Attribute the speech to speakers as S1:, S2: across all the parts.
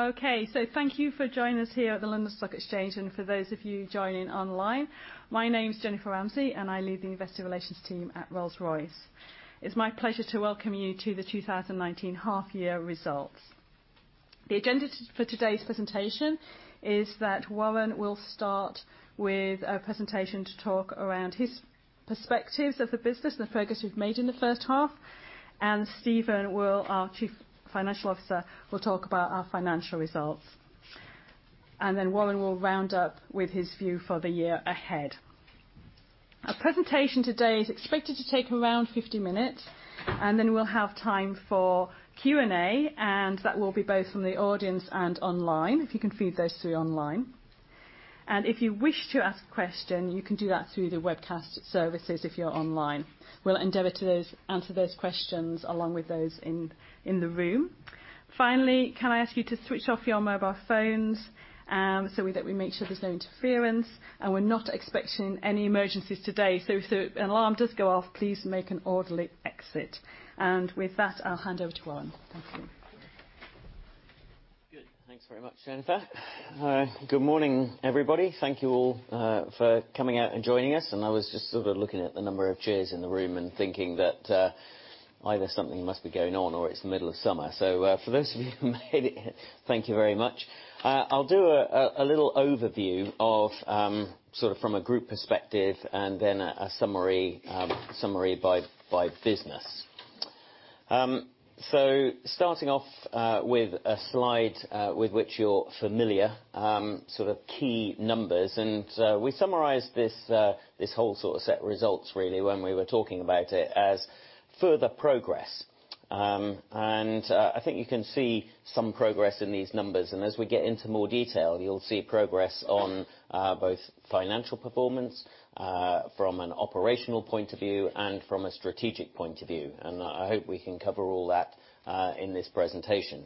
S1: Okay. Thank you for joining us here at the London Stock Exchange and for those of you joining online. My name is Jennifer Ramsey, and I lead the Investor Relations team at Rolls-Royce. It's my pleasure to welcome you to the 2019 half year results. The agenda for today's presentation is that Warren will start with a presentation to talk around his perspectives of the business and the progress we've made in the first half, and Stephen, our Chief Financial Officer, will talk about our financial results. Warren will round up with his view for the year ahead. Our presentation today is expected to take around 50 minutes, and then we'll have time for Q&A, and that will be both from the audience and online, if you can feed those through online. If you wish to ask a question, you can do that through the webcast services if you're online. We'll endeavor to answer those questions along with those in the room. Finally, can I ask you to switch off your mobile phones, so that we make sure there's no interference, and we're not expecting any emergencies today. If an alarm does go off, please make an orderly exit. With that, I'll hand over to Warren. Thank you.
S2: Good. Thanks very much, Isabel. Good morning, everybody. Thank you all for coming out and joining us. I was just sort of looking at the number of chairs in the room and thinking that either something must be going on or it's the middle of summer. For those of you who made it, thank you very much. I'll do a little overview from a group perspective and then a summary by business. Starting off with a slide with which you're familiar, sort of key numbers. We summarized this whole set of results really when we were talking about it as further progress. I think you can see some progress in these numbers. As we get into more detail, you'll see progress on both financial performance from an operational point of view and from a strategic point of view. I hope we can cover all that in this presentation.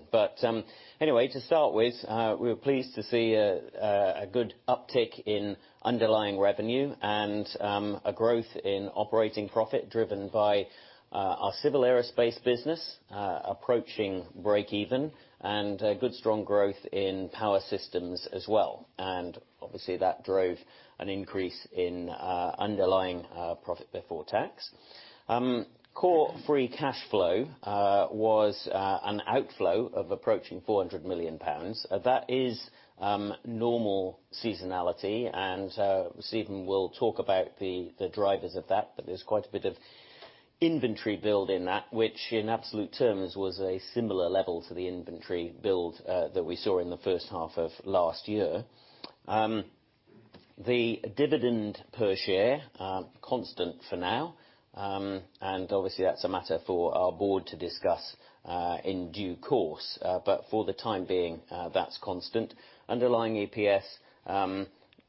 S2: Anyway, to start with, we were pleased to see a good uptick in underlying revenue and a growth in operating profit driven by our Civil Aerospace business, approaching break even, and a good strong growth in Power Systems as well. Obviously that drove an increase in underlying profit before tax. Core free cash flow was an outflow of approaching 400 million pounds. That is normal seasonality, and Stephen will talk about the drivers of that, but there's quite a bit of inventory build in that, which in absolute terms was a similar level to the inventory build that we saw in the first half of last year. The dividend per share, constant for now. Obviously that's a matter for our board to discuss in due course. For the time being, that's constant. Underlying EPS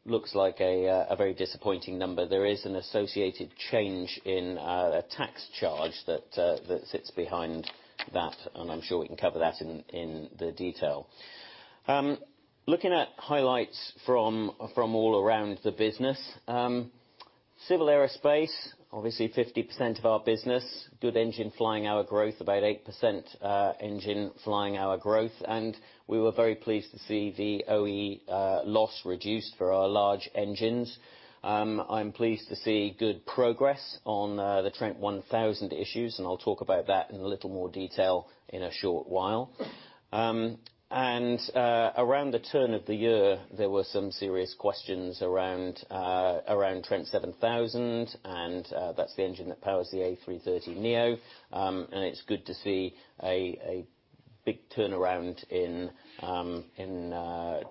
S2: looks like a very disappointing number. There is an associated change in a tax charge that sits behind that, and I'm sure we can cover that in the detail. Looking at highlights from all around the business. Civil Aerospace, obviously 50% of our business. Good engine flying hour growth, about 8% engine flying hour growth. We were very pleased to see the OE loss reduced for our large engines. I'm pleased to see good progress on the Trent 1000 issues, and I'll talk about that in a little more detail in a short while. Around the turn of the year, there were some serious questions around Trent 7000, and that's the engine that powers the A330neo. It's good to see a big turnaround in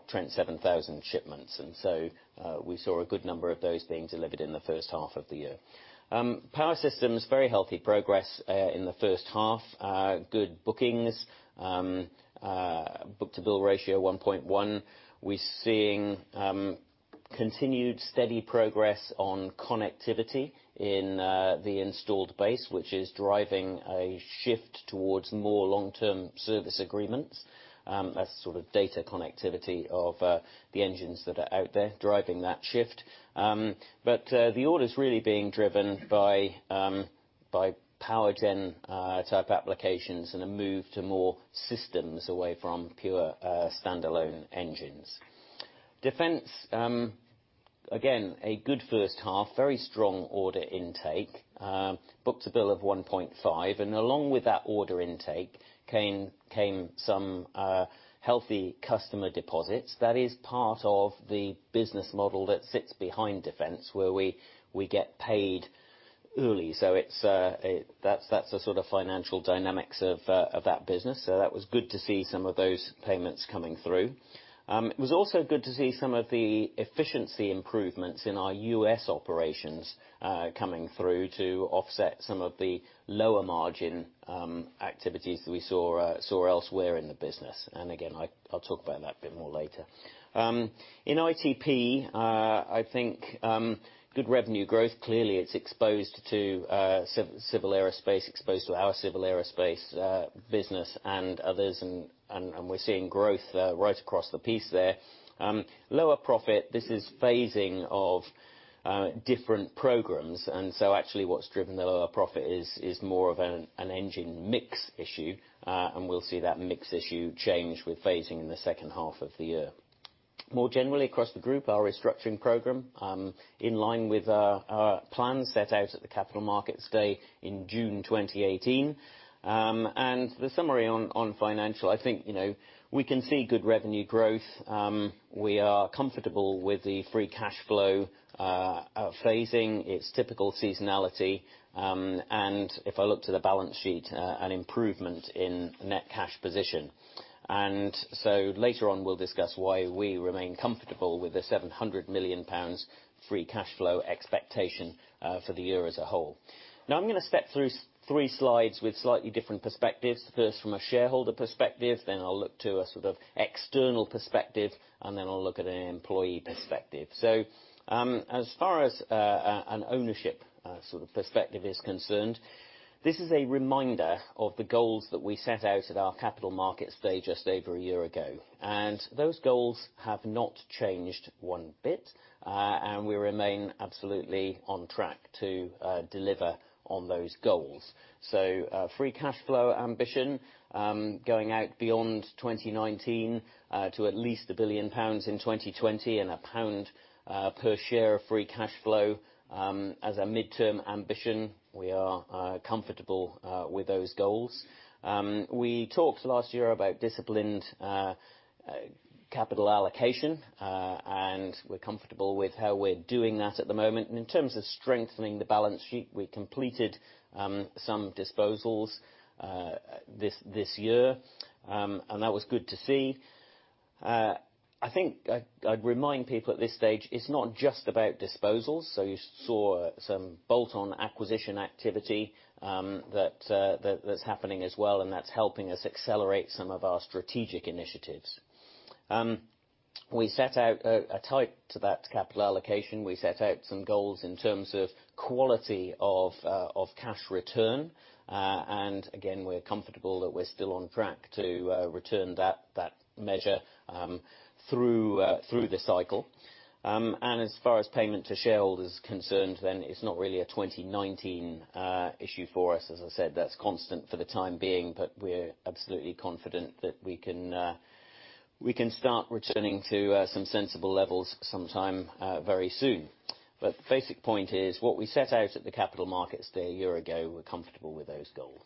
S2: Trent 7000 shipments. We saw a good number of those being delivered in the first half of the year. Power Systems, is very healthy progress, in the first half. Good bookings. Book-to-bill ratio 1.1. We're seeing continued steady progress on connectivity in the installed base, which is driving a shift towards more long-term service agreements. That's sort of data connectivity of the engines that are out there driving that shift. The order is really being driven by power gen type applications and a move to more systems away from pure standalone engines. Defence, again, a good first half, very strong order intake. Book-to-bill of 1.5, along with that order intake came some healthy customer deposits. That is part of the business model that sits behind Defence, where we get paid early. That's the sort of financial dynamics of that business. That was good to see some of those payments coming through. It was also good to see some of the efficiency improvements in our U.S. operations coming through to offset some of the lower margin activities that we saw elsewhere in the business. Again, I'll talk about that a bit more later. In ITP, I think good revenue growth. Clearly, it's exposed to Civil Aerospace, exposed to our Civil Aerospace business and others, and we're seeing growth right across the piece there. Lower profit. This is phasing of different programs, and so actually what's driven the lower profit is more of an engine mix issue. We'll see that mix issue change with phasing in the second half of the year. More generally across the group, our restructuring program, in line with our plans set out at the Capital Markets Day in June 2018. The summary on financial, I think, we can see good revenue growth. We are comfortable with the free cash flow phasing, its typical seasonality. If I look to the balance sheet, an improvement in net cash position. Later on, we'll discuss why we remain comfortable with the 700 million pounds free cash flow expectation for the year as a whole. I'm going to step through three slides with slightly different perspectives. From a shareholder perspective, then I'll look to a sort of external perspective, I'll look at an employee perspective. As far as an ownership perspective is concerned, this is a reminder of the goals that we set out at our Capital Markets Day just over a year ago. Those goals have not changed one bit. We remain absolutely on track to deliver on those goals. Free cash flow ambition, going out beyond 2019, to at least 1 billion pounds in 2020 and GBP 1 per share of free cash flow, as a midterm ambition. We are comfortable with those goals. We talked last year about disciplined capital allocation, and we're comfortable with how we're doing that at the moment. In terms of strengthening the balance sheet, we completed some disposals this year. That was good to see. I think I'd remind people at this stage, it's not just about disposals. You saw some bolt-on acquisition activity that's happening as well, and that's helping us accelerate some of our strategic initiatives. We set out a type to that capital allocation. We set out some goals in terms of quality of cash return. Again, we're comfortable that we're still on track to return that measure through the cycle. As far as payment to shareholders concerned, then it's not really a 2019 issue for us. As I said, that's constant for the time being, but we're absolutely confident that we can start returning to some sensible levels sometime very soon. The basic point is, what we set out at the Capital Markets Day a year ago, we're comfortable with those goals.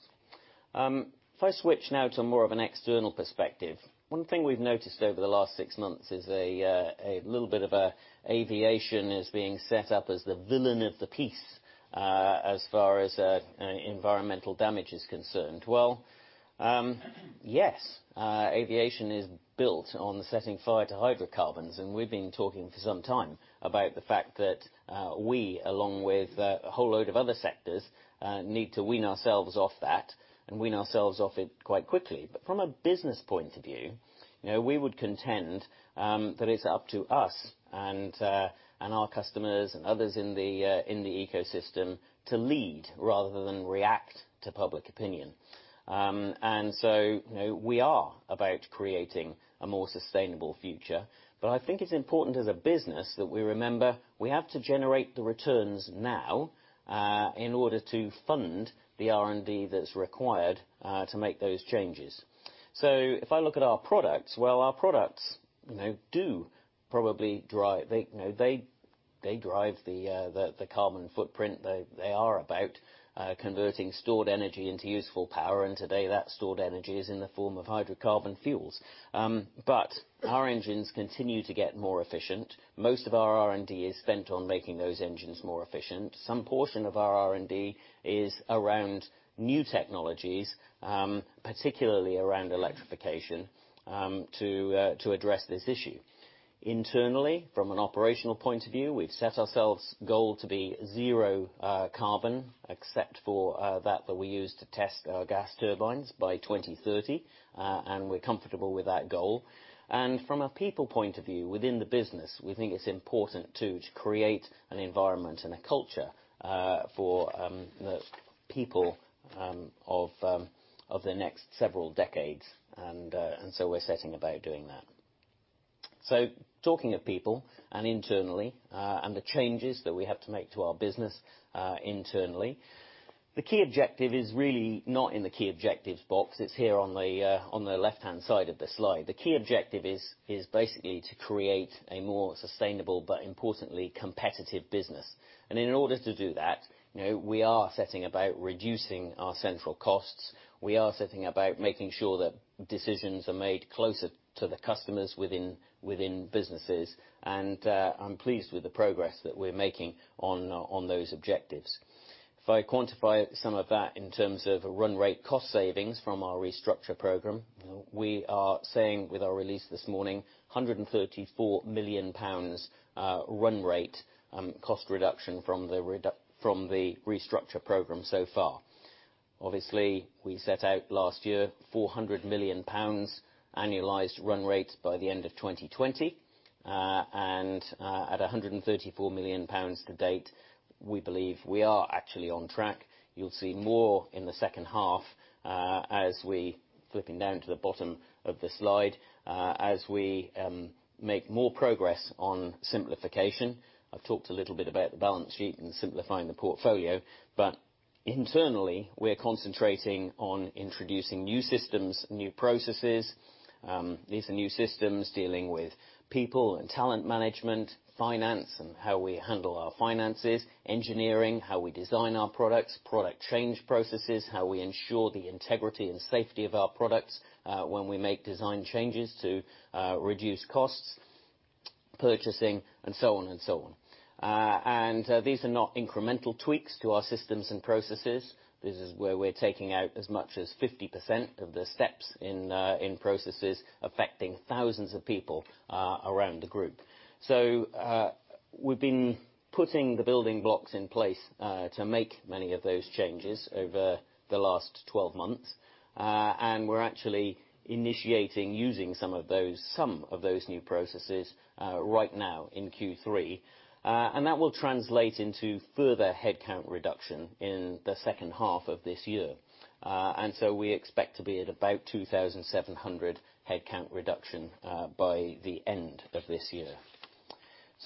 S2: If I switch now to more of an external perspective, one thing we've noticed over the last six months is a little bit of aviation is being set up as the villain of the peace as far as environmental damage is concerned. Well, yes, aviation is built on setting fire to hydrocarbons, and we've been talking for some time about the fact that we, along with a whole load of other sectors, need to wean ourselves off that and wean ourselves off it quite quickly. From a business point of view, we would contend that it's up to us and our customers and others in the ecosystem to lead rather than react to public opinion. So, we are about creating a more sustainable future, but I think it's important as a business that we remember we have to generate the returns now, in order to fund the R&D that's required to make those changes. If I look at our products, well, our products do probably drive the carbon footprint. They are about converting stored energy into useful power. Today, that stored energy is in the form of hydrocarbon fuels. Our engines continue to get more efficient. Most of our R&D is spent on making those engines more efficient. Some portion of our R&D is around new technologies, particularly around electrification, to address this issue. Internally, from an operational point of view, we've set ourselves goal to be zero carbon, except for that that we use to test our gas turbines by 2030. We're comfortable with that goal. From a people point of view, within the business, we think it's important, too, to create an environment and a culture, for the people of the next several decades. We're setting about doing that. Talking of people and internally, and the changes that we have to make to our business internally, the key objective is really not in the key objectives box. It's here on the left-hand side of the slide. The key objective is basically to create a more sustainable, but importantly, competitive business. In order to do that, we are setting about reducing our central costs. We are setting about making sure that decisions are made closer to the customers within businesses. I'm pleased with the progress that we're making on those objectives. If I quantify some of that in terms of run rate cost savings from our restructure program, we are saying with our release this morning, 134 million pounds run rate cost reduction from the restructure program so far. Obviously, we set out last year 400 million pounds annualized run rate by the end of 2020. At 134 million pounds to date, we believe we are actually on track. You'll see more in the second half as we, flipping down to the bottom of the slide, as we make more progress on simplification. I've talked a little bit about the balance sheet and simplifying the portfolio. Internally, we're concentrating on introducing new systems, new processes. These are new systems dealing with people and talent management, finance, and how we handle our finances, engineering, how we design our products, product change processes, how we ensure the integrity and safety of our products when we make design changes to reduce costs, purchasing, and so on. These are not incremental tweaks to our systems and processes. This is where we're taking out as much as 50% of the steps in processes affecting thousands of people around the group. We've been putting the building blocks in place to make many of those changes over the last 12 months. We're actually initiating using some of those new processes right now in Q3. That will translate into further headcount reduction in the second half of this year. We expect to be at about 2,700 headcount reduction by the end of this year.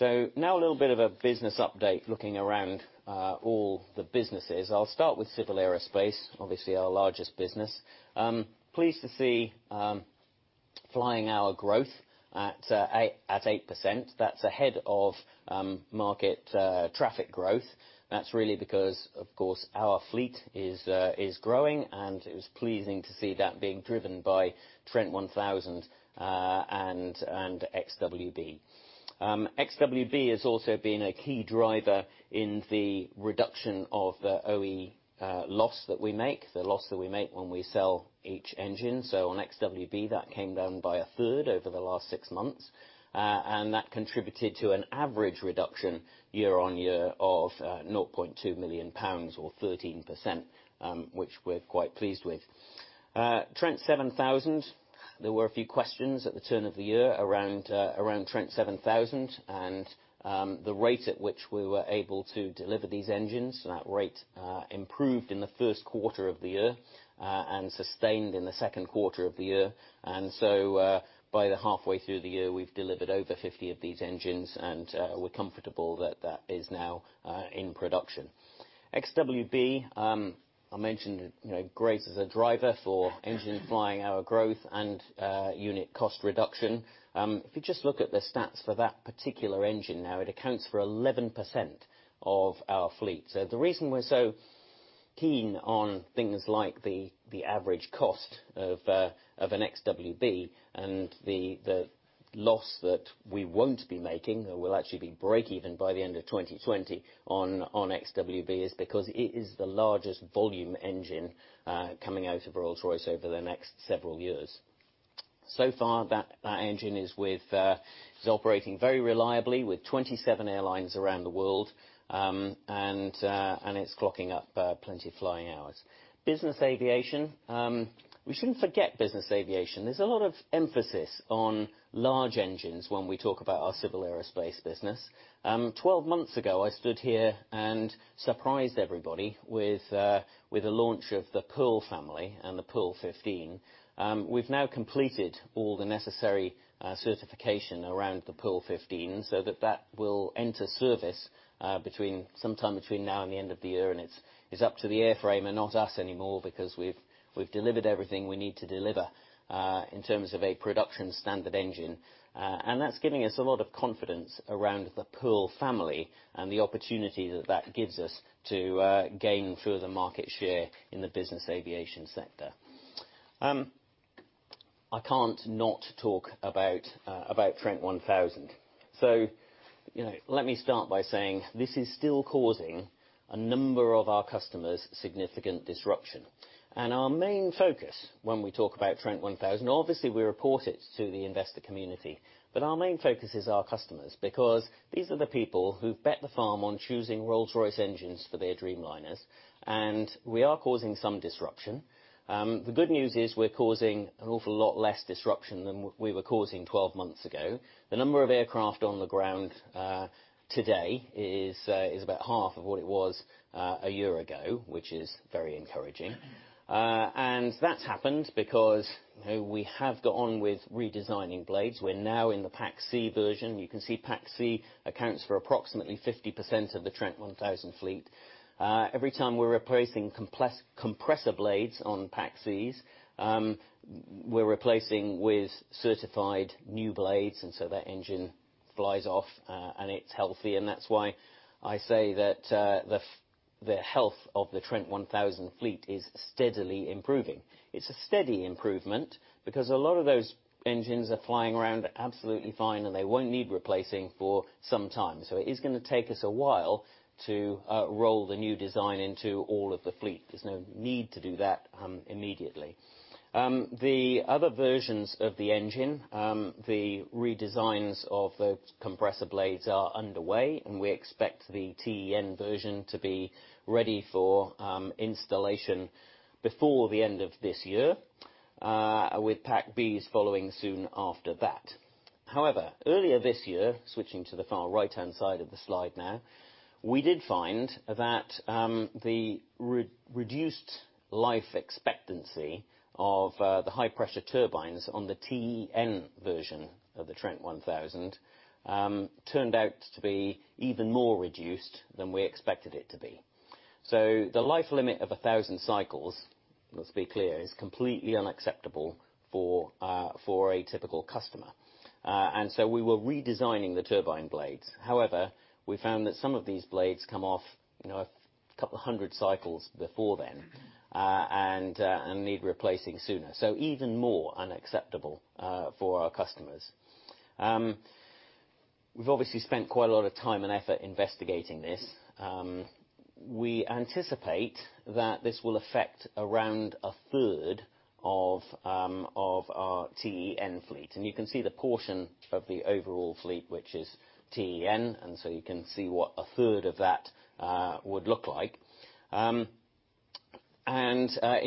S2: Now a little bit of a business update, looking around all the businesses. I'll start with Civil Aerospace, obviously, our largest business. Pleased to see flying-hour growth at 8%. That's ahead of market traffic growth. That's really because, of course, our fleet is growing, and it was pleasing to see that being driven by Trent 1000 and XWB. XWB has also been a key driver in the reduction of the OE loss that we make, the loss that we make when we sell each engine. On XWB, that came down by 1/3 over the last six months. That contributed to an average reduction year-on-year of 0.2 million pounds or 13%, which we're quite pleased with. Trent 7000. There were a few questions at the turn of the year around Trent 7000 and the rate at which we were able to deliver these engines. That rate improved in the first quarter of the year, sustained in the second quarter of the year. By the halfway through the year, we've delivered over 50 of these engines, and we're comfortable that that is now in production. XWB, I mentioned great as a driver for engine flying-hour growth and unit cost reduction. If you just look at the stats for that particular engine now, it accounts for 11% of our fleet. The reason we're so keen on things like the average cost of an XWB and the loss that we won't be making, that will actually be breakeven by the end of 2020 on XWB is because it is the largest volume engine coming out of Rolls-Royce over the next several years. So far, that engine is operating very reliably with 27 airlines around the world, and it's clocking up plenty of flying hours. Business aviation. We shouldn't forget business aviation. There's a lot of emphasis on large engines when we talk about our Civil Aerospace business. 12 months ago, I stood here and surprised everybody with the launch of the Pearl family and the Pearl 15. We've now completed all the necessary certification around the Pearl 15 so that that will enter service sometime between now and the end of the year. It's up to the airframe and not us anymore because we've delivered everything we need to deliver in terms of a production standard engine. That's giving us a lot of confidence around the Pearl family and the opportunity that that gives us to gain further market share in the business aviation sector. I can't not to talk about Trent 1000. Let me start by saying this is still causing a number of our customers significant disruption. Our main focus when we talk about Trent 1000, obviously, we report it to the investor community, but our main focus is our customers because these are the people who've bet the farm on choosing Rolls-Royce engines for their Dreamliners, and we are causing some disruption. The good news is we're causing an awful lot less disruption than we were causing 12 months ago. The number of aircraft on the ground today is about half of what it was a year ago, which is very encouraging. That's happened because we have got on with redesigning blades. We're now in the Pack C version. You can see Pack C accounts for approximately 50% of the Trent 1000 fleet. Every time we're replacing compressor blades on Pack Cs, we're replacing with certified new blades, and so that engine flies off, and it's healthy. That's why I say that the health of the Trent 1000 fleet is steadily improving. It's a steady improvement because a lot of those engines are flying around absolutely fine, and they won't need replacing for some time. It is going to take us a while to roll the new design into all of the fleet. There's no need to do that immediately. The other versions of the engine, the redesigns of the compressor blades are underway, and we expect the TEN version to be ready for installation before the end of this year, with Pack Bs following soon after that. However, earlier this year, switching to the far right-hand side of the slide now, we did find that the reduced life expectancy of the high-pressure turbines on the TEN version of the Trent 1000 turned out to be even more reduced than we expected it to be. The life limit of 1,000 cycles, let's be clear, is completely unacceptable for a typical customer. We were redesigning the turbine blades. However, we found that some of these blades come off a couple of hundred cycles before then and need replacing sooner. Even more unacceptable for our customers. We've obviously spent quite a lot of time and effort investigating this. We anticipate that this will affect around 1/3 of our TEN fleet, and you can see the portion of the overall fleet, which is TEN, and so you can see what 1/3 of that would look like. In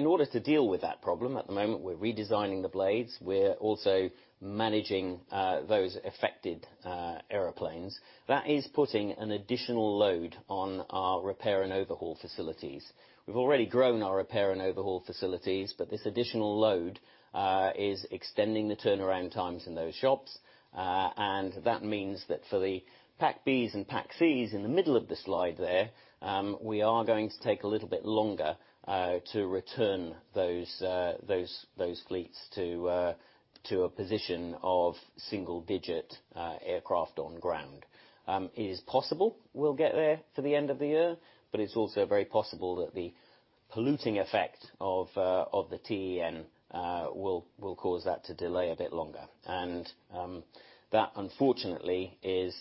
S2: order to deal with that problem, at the moment, we're redesigning the blades. We're also managing those affected airplanes. That is putting an additional load on our repair and overhaul facilities. We've already grown our repair and overhaul facilities, but this additional load is extending the turnaround times in those shops. That means that for the Pack Bs and Pack Cs in the middle of the slide there, we are going to take a little bit longer to return those fleets to a position of single-digit aircraft on ground. It is possible we'll get there for the end of the year, but it's also very possible that the polluting effect of the TEN will cause that to delay a bit longer. That, unfortunately, is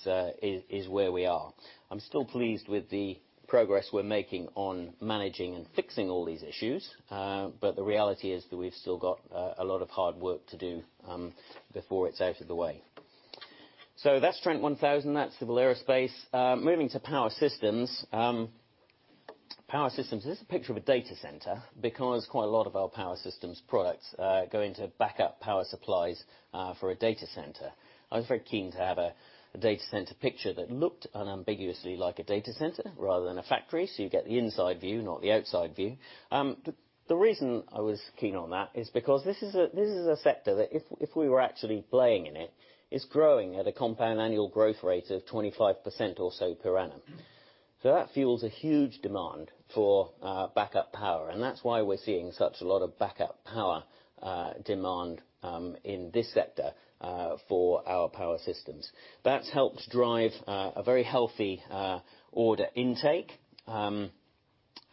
S2: where we are. I'm still pleased with the progress we're making on managing and fixing all these issues. The reality is that we've still got a lot of hard work to do before it's out of the way. That's Trent 1000. That's Civil Aerospace. Moving to Power Systems. Power Systems, this is a picture of a data center because quite a lot of our Power Systems products go into backup power supplies for a data center. I was very keen to have a data center picture that looked unambiguously like a data center rather than a factory, so you get the inside view, not the outside view. The reason I was keen on that is because this is a sector that if we were actually playing in it, is growing at a compound annual growth rate of 25% or so per annum. That fuels a huge demand for backup power, and that's why we're seeing such a lot of backup power demand in this sector for our Power Systems. That's helped drive a very healthy order intake.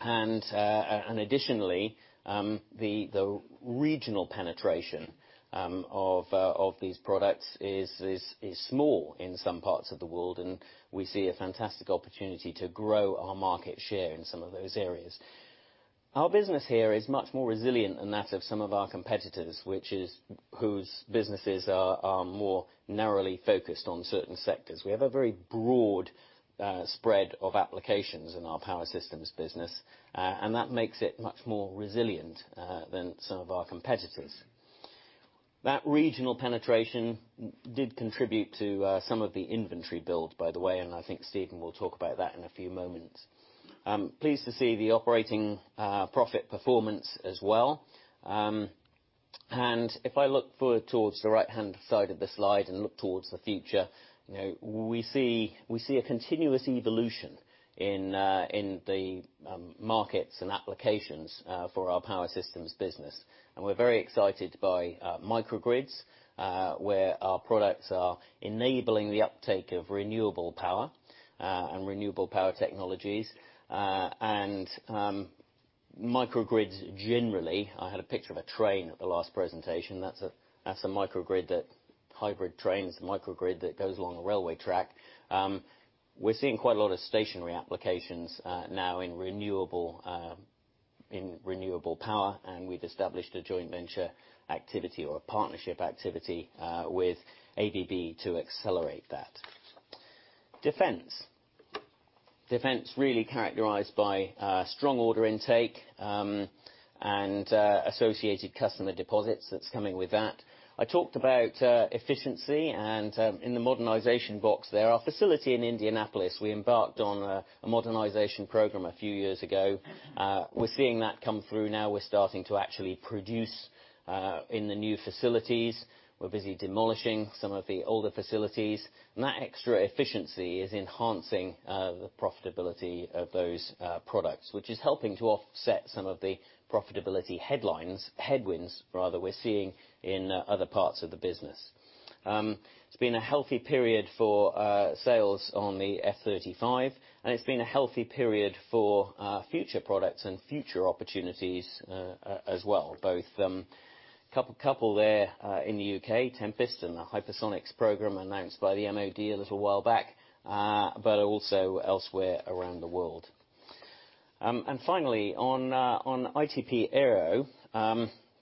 S2: Additionally, the regional penetration of these products is small in some parts of the world, and we see a fantastic opportunity to grow our market share in some of those areas. Our business here is much more resilient than that of some of our competitors, whose businesses are more narrowly focused on certain sectors. We have a very broad spread of applications in our Power Systems business, and that makes it much more resilient than some of our competitors. That regional penetration did contribute to some of the inventory build, by the way, and I think Stephen will talk about that in a few moments. Pleased to see the operating profit performance as well. If I look towards the right-hand side of the slide and look towards the future, we see a continuous evolution in the markets and applications for our Power Systems business. We're very excited by microgrids, where our products are enabling the uptake of renewable power and renewable power technologies. Microgrids, generally, I had a picture of a train at the last presentation. That's a hybrid trains microgrid that goes along a railway track. We're seeing quite a lot of stationary applications now in renewable power, and we've established a joint venture activity or a partnership activity with ABB to accelerate that. Defence. Defence really characterized by strong order intake and associated customer deposits that's coming with that. I talked about efficiency and in the modernization box there. Our facility in Indianapolis, we embarked on a modernization program a few years ago. We're seeing that come through now. We're starting to actually produce in the new facilities. We're busy demolishing some of the older facilities, and that extra efficiency is enhancing the profitability of those products, which is helping to offset some of the profitability headwinds we're seeing in other parts of the business. It's been a healthy period for sales on the F-35, and it's been a healthy period for future products and future opportunities as well. Both couple there in the U.K., Tempest and the Hypersonics program announced by the MoD a little while back, but also elsewhere around the world. Finally, on ITP Aero.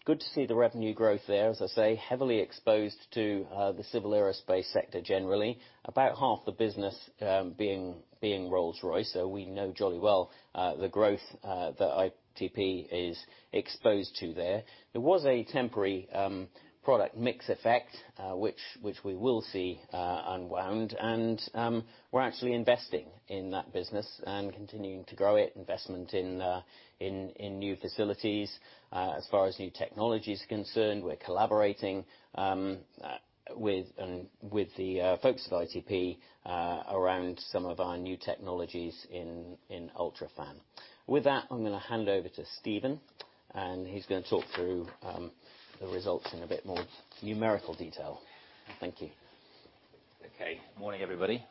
S2: Good to see the revenue growth there. As I say, heavily exposed to the Civil Aerospace sector generally. About half the business being Rolls-Royce. We know jolly well the growth that ITP is exposed to there. There was a temporary product mix effect, which we will see unwound. We're actually investing in that business and continuing to grow it, investment in new facilities. As far as new technology is concerned, we're collaborating with the folks of ITP around some of our new technologies in UltraFan. I'm going to hand over to Stephen. He's going to talk through the results in a bit more numerical detail. Thank you.
S3: Morning, everybody.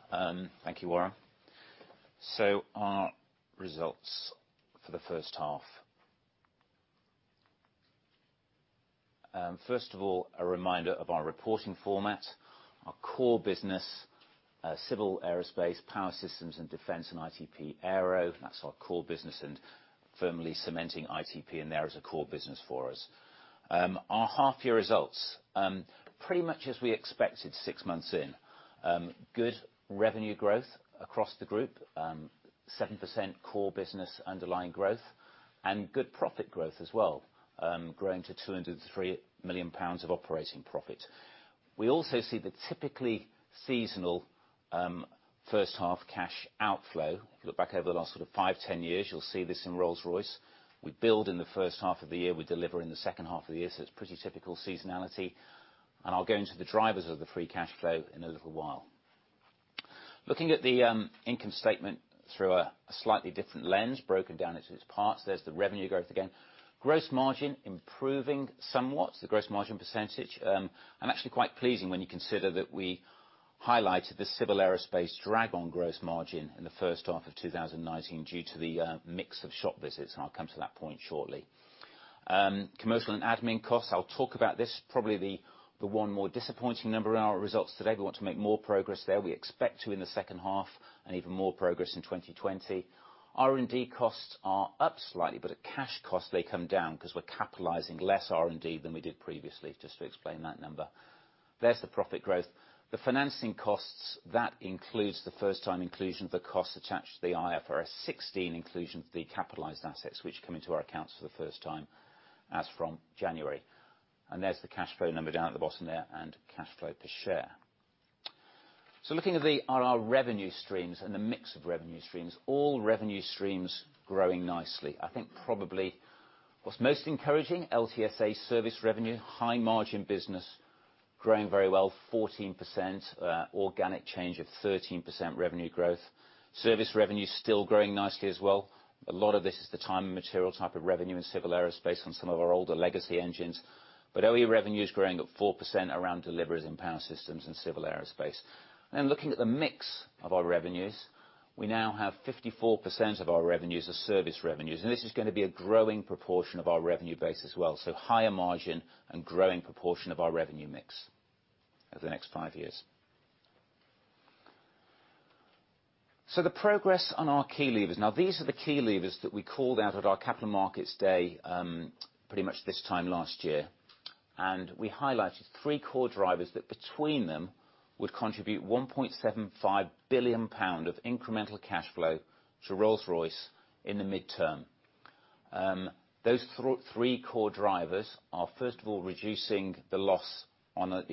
S3: Thank you, Warren. Our results for the first half. First of all, a reminder of our reporting format. Our core business, Civil Aerospace, Power Systems, and Defence and ITP Aero. That's our core business and firmly cementing ITP in there as a core business for us. Our half year results, pretty much as we expected six months in. Good revenue growth across the group, 7% core business underlying growth, and good profit growth as well, growing to 203 million pounds of operating profit. We also see the typically seasonal first half cash outflow. If you look back over the last sort of five, 10 years, you'll see this in Rolls-Royce. We build in the first half of the year, we deliver in the second half of the year, so it's pretty typical seasonality. I'll go into the drivers of the free cash flow in a little while. Looking at the income statement through a slightly different lens, broken down into its parts, there's the revenue growth again. Gross margin improving somewhat. The gross margin percentage. Actually quite pleasing when you consider that we highlighted the Civil Aerospace drag on gross margin in the first half of 2019 due to the mix of shop visits, I'll come to that point shortly. Commercial and Admin costs, I'll talk about this. Probably the one more disappointing number in our results today. We want to make more progress there. We expect to in the second half and even more progress in 2020. R&D costs are up slightly, but at cash costs they come down because we're capitalizing less R&D than we did previously, just to explain that number. There's the profit growth. The financing costs, that includes the first time inclusion of the costs attached to the IFRS 16 inclusion of the capitalized assets which come into our accounts for the first time as from January. There's the cash flow number down at the bottom there, and cash flow per share. Looking at our revenue streams and the mix of revenue streams. All revenue streams growing nicely. I think probably what's most encouraging, LTSA service revenue, high margin business, growing very well, 14%, organic change of 13% revenue growth. Service revenue is still growing nicely as well. A lot of this is the time and material type of revenue in Civil Aerospace on some of our older legacy engines. OE revenue is growing at 4% around deliveries in Power Systems and Civil Aerospace. Looking at the mix of our revenues, we now have 54% of our revenues are service revenues, and this is going to be a growing proportion of our revenue base as well. Higher margin and growing proportion of our revenue mix over the next five years. The progress on our key levers. These are the key levers that we called out at our Capital Markets Day pretty much this time last year. We highlighted three core drivers that between them would contribute 1.75 billion pound of incremental cash flow to Rolls-Royce in the midterm. Those three core drivers are, first of all, reducing the loss on the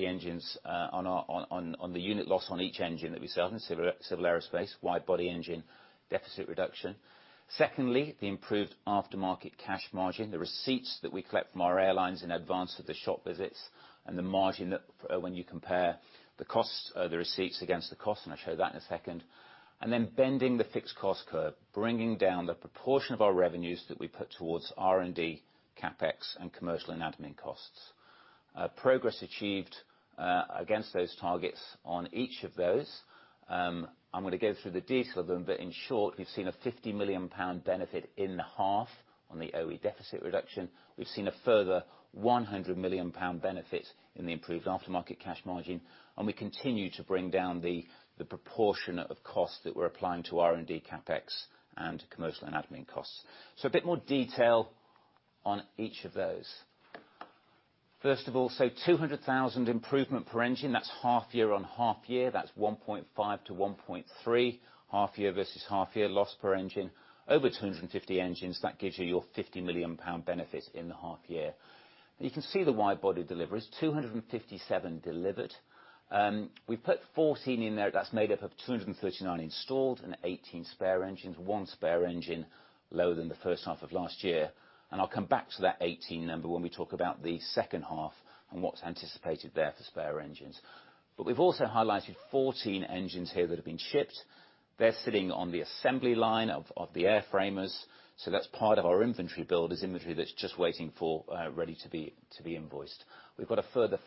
S3: unit loss on each engine that we sell in Civil Aerospace, wide body engine deficit reduction. Secondly, the improved aftermarket cash margin. The receipts that we collect from our airlines in advance of the shop visits and the margin when you compare the receipts against the cost, and I'll show that in a second. Bending the fixed cost curve, bringing down the proportion of our revenues that we put towards R&D, CapEx and commercial and admin costs. Progress achieved against those targets on each of those. I'm going to go through the detail of them, but in short, we've seen a 50 million pound benefit in half on the OE deficit reduction. We've seen a further 100 million pound benefit in the improved aftermarket cash margin, and we continue to bring down the proportion of cost that we're applying to R&D, CapEx and commercial and admin costs. A bit more detail on each of those. First of all, 200,000 improvement per engine, that's half year on half year. That's 1.5 to 1.3 half year versus half year loss per engine. Over 250 engines, that gives you your 50 million pound benefit in the half year. You can see the wide-body deliveries, 257 delivered. We put 14 in there, that's made up of 239 installed and 18 spare engines, one spare engine lower than the first half of last year. I'll come back to that 18 number when we talk about the second half and what's anticipated there for spare engines. We've also highlighted 14 engines here that have been shipped. They're sitting on the assembly line of the airframers. That's part of our inventory build is inventory that's just waiting for ready to be invoiced. We've got a further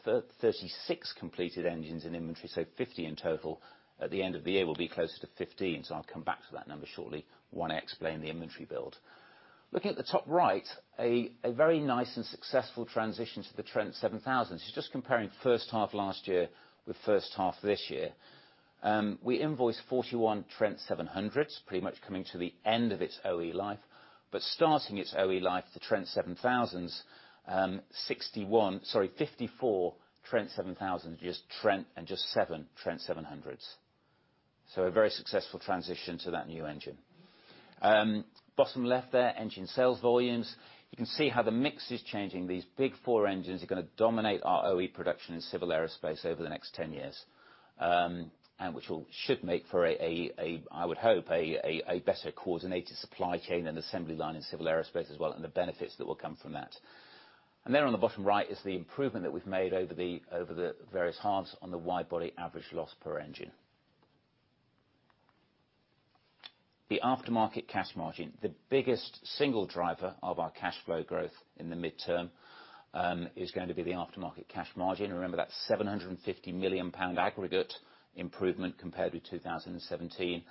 S3: 36 completed engines in inventory, so 50 in total. At the end of the year, we'll be closer to 15, so I'll come back to that number shortly when I explain the inventory build. Looking at the top right, a very nice and successful transition to the Trent 7000. Just comparing first half last year with first half this year. We invoiced 41 Trent 700s, pretty much coming to the end of its OE life. Starting its OE life, the Trent 7000s, 54 Trent 7000 and just seven Trent 700s. A very successful transition to that new engine. Bottom left there, engine sales volumes. You can see how the mix is changing. These big four engines are going to dominate our OE production in Civil Aerospace over the next 10 years, and which should make for, I would hope, a better coordinated supply chain and assembly line in Civil Aerospace as well, and the benefits that will come from that. There on the bottom right is the improvement that we've made over the various halves on the wide-body average loss per engine. The aftermarket cash margin. The biggest single driver of our cash flow growth in the midterm is going to be the aftermarket cash margin. Remember that 750 million pound aggregate improvement compared to 2017.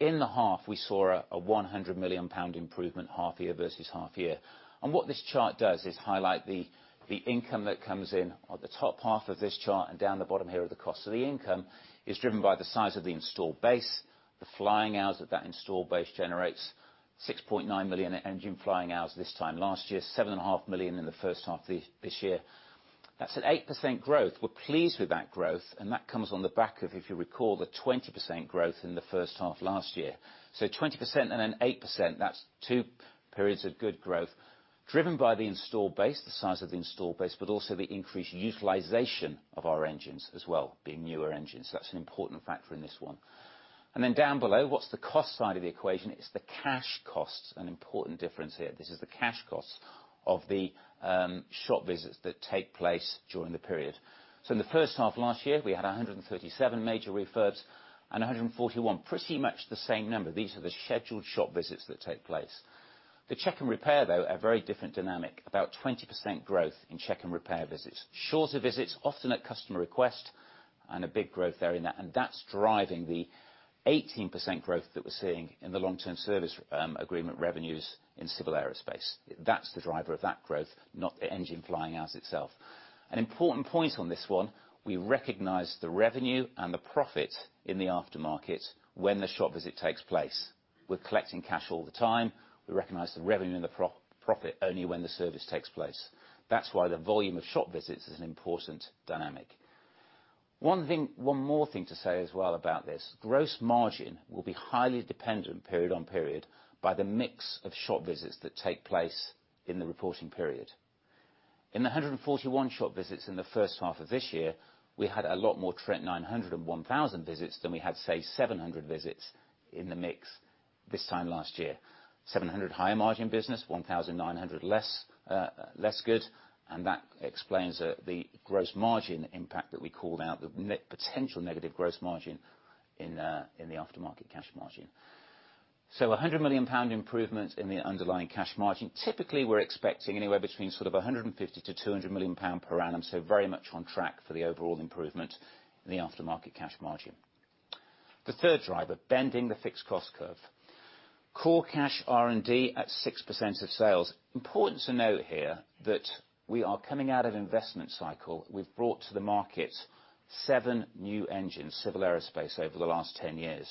S3: In the half, we saw a 100 million pound improvement, half-year versus half-year. What this chart does is highlight the income that comes in on the top half of this chart, and down the bottom here are the cost of the income, is driven by the size of the installed base. The flying hours that that installed base generates, 6.9 million engine flying hours this time last year, 7.5 million in the first half this year. That's at 8% growth. We're pleased with that growth, and that comes on the back of, if you recall, the 20% growth in the first half last year. 20% and then 8%, that's two periods of good growth, driven by the installed base, the size of the installed base, but also the increased utilization of our engines as well, being newer engines. That's an important factor in this one. Then down below, what's the cost side of the equation? It's the cash cost, an important difference here. This is the cash cost of the shop visits that take place during the period. In the first half of last year, we had 137 major refurbs and 141, pretty much the same number. These are the scheduled shop visits that take place. The check and repair, though, a very different dynamic, about 20% growth in check and repair visits. Shorter visits, often at customer request, and a big growth there in that. That's driving the 18% growth that we're seeing in the Long-Term Service Agreement revenues in Civil Aerospace. That's the driver of that growth, not the engine flying hours itself. An important point on this one, we recognize the revenue and the profit in the aftermarket when the shop visit takes place. We're collecting cash all the time. We recognize the revenue and the profit only when the service takes place. That's why the volume of shop visits is an important dynamic. One more thing to say as well about this, gross margin will be highly dependent period on period by the mix of shop visits that take place in the reporting period. In the 141 shop visits in the first half of this year, we had a lot more Trent 900 and 1000 visits than we had, say, 700 visits in the mix this time last year. 700 higher margin business, 1,900 less good. That explains the gross margin impact that we called out, the potential negative gross margin in the aftermarket cash margin. 100 million pound improvement in the underlying cash margin. Typically, we're expecting anywhere between sort of 150 million-200 million pound per annum, so very much on track for the overall improvement in the aftermarket cash margin. The third driver, bending the fixed cost curve. Core cash R&D at 6% of sales. Important to note here that we are coming out of investment cycle. We've brought to the market seven new engines, Civil Aerospace, over the last 10 years.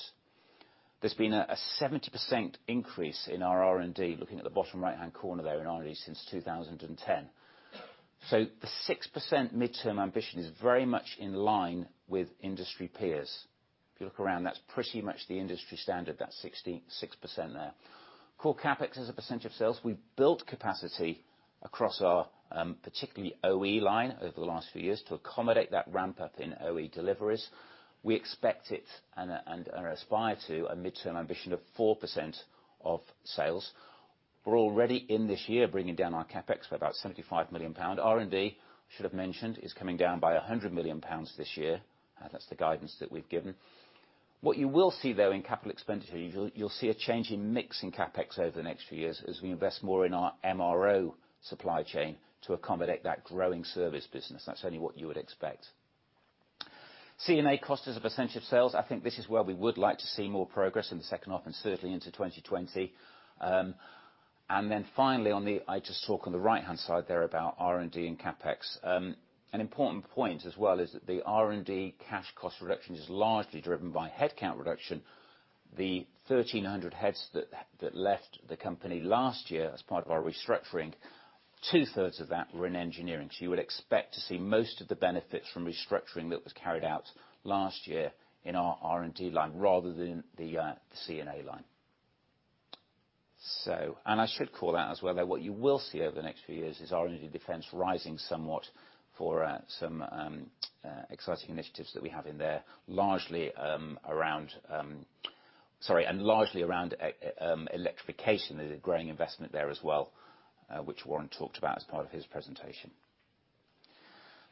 S3: There's been a 70% increase in our R&D, looking at the bottom right-hand corner there in R&D, since 2010. The 6% midterm ambition is very much in line with industry peers. If you look around, that's pretty much the industry standard, that 6% there. Core CapEx as a percent of sales. We've built capacity across our, particularly OE line over the last few years to accommodate that ramp-up in OE deliveries. We expect it, and aspire to, a midterm ambition of 4% of sales. We're already in this year bringing down our CapEx by about 75 million pounds. R&D, should have mentioned, is coming down by 100 million pounds this year. That's the guidance that we've given. What you will see, though, in capital expenditure, you'll see a change in mix in CapEx over the next few years as we invest more in our MRO supply chain to accommodate that growing service business. That's only what you would expect. C&A cost as a percent of sales. I think this is where we would like to see more progress in the second half and certainly into 2020. Finally, I just talk on the right-hand side there about R&D and CapEx. An important point as well is that the R&D cash cost reduction is largely driven by headcount reduction. The 1,300 heads that left the company last year as part of our restructuring, 2/3 of that were in engineering. You would expect to see most of the benefits from restructuring that was carried out last year in our R&D line rather than the C&A line. I should call out as well that what you will see over the next few years is R&D Defence rising somewhat for some exciting initiatives that we have in there, and largely around electrification. There's a growing investment there as well, which Warren talked about as part of his presentation.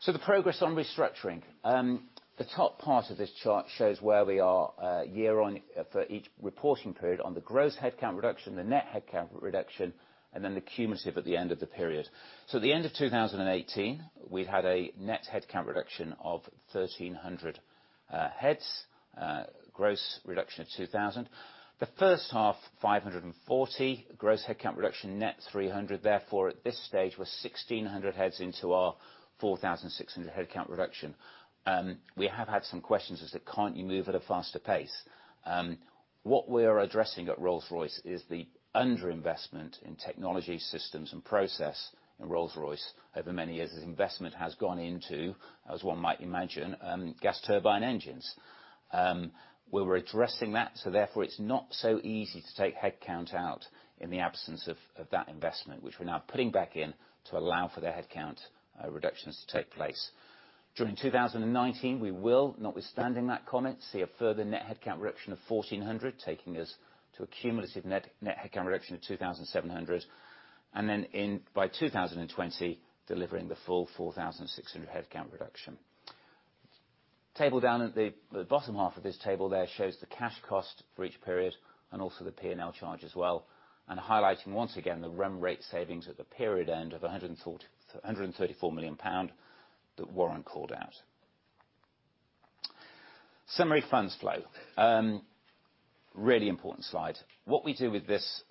S3: The progress on restructuring. The top part of this chart shows where we are for each reporting period on the gross headcount reduction, the net headcount reduction, and then the cumulative at the end of the period. At the end of 2018, we'd had a net headcount reduction of 1,300 heads. Gross reduction of 2,000. The first half, 540 gross headcount reduction, net 300. Therefore, at this stage, we're 1,600 heads into our 4,600 headcount reduction. We have had some questions as to can't you move at a faster pace? We are addressing at Rolls-Royce is the underinvestment in technology systems and process in Rolls-Royce over many years as investment has gone into, as one might imagine, gas turbine engines. We're addressing that, so therefore it's not so easy to take headcount out in the absence of that investment, which we're now putting back in to allow for the headcount reductions to take place. During 2019, we will, notwithstanding that comment, see a further net headcount reduction of 1,400, taking us to a cumulative net headcount reduction of 2,700. By 2020, delivering the full 4,600 headcount reduction. Table down at the bottom half of this table there shows the cash cost for each period and also the P&L charge as well, and highlighting once again the run rate savings at the period end of 134 million pound that Warren called out. Summary funds flow. Really important slide. What we do with this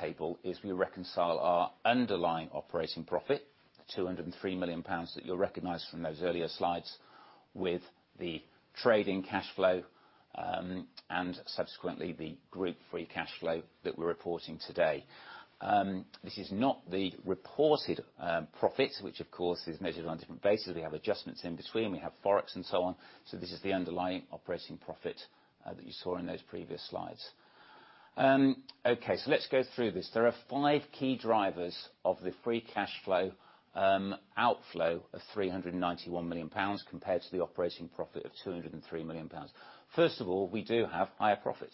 S3: table is we reconcile our underlying operating profit, the 203 million pounds that you'll recognize from those earlier slides, with the trading cash flow, and subsequently, the group free cash flow that we're reporting today. This is not the reported profit, which of course is measured on different bases. We have adjustments in between, we have Forex and so on. This is the underlying operating profit that you saw in those previous slides. Let's go through this. There are five key drivers of the free cash flow outflow of 391 million pounds compared to the operating profit of 203 million pounds. First of all, we do have higher profit,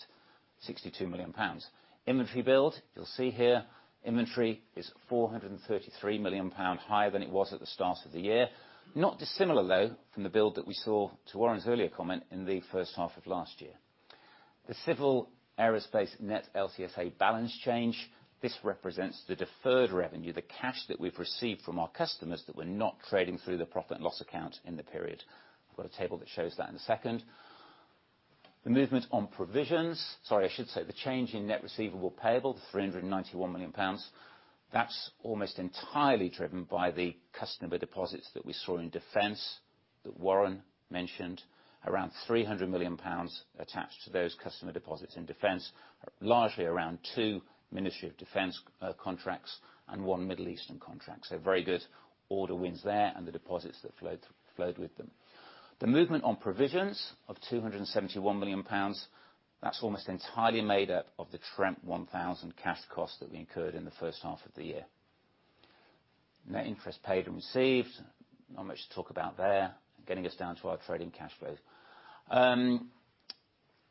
S3: 62 million pounds. Inventory build, you'll see here inventory is 433 million pounds higher than it was at the start of the year. Not dissimilar though from the build that we saw to Warren's earlier comment in the first half of last year. The Civil Aerospace net LTSA balance change. This represents the deferred revenue, the cash that we've received from our customers that we're not trading through the profit and loss account in the period. I've got a table that shows that in a second. The movement on provisions, sorry, I should say the change in net receivable payable, the 391 million pounds. That's almost entirely driven by the customer deposits that we saw in Defence that Warren mentioned. Around 300 million pounds attached to those customer deposits in Defence, largely around two Ministry of Defence contracts and one Middle Eastern contract. Very good order wins there and the deposits that flowed with them. The movement on provisions of 271 million pounds, that is almost entirely made up of the Trent 1000 cash costs that we incurred in the first half of the year. Net interest paid and received, not much to talk about there. Getting us down to our trading cash flows.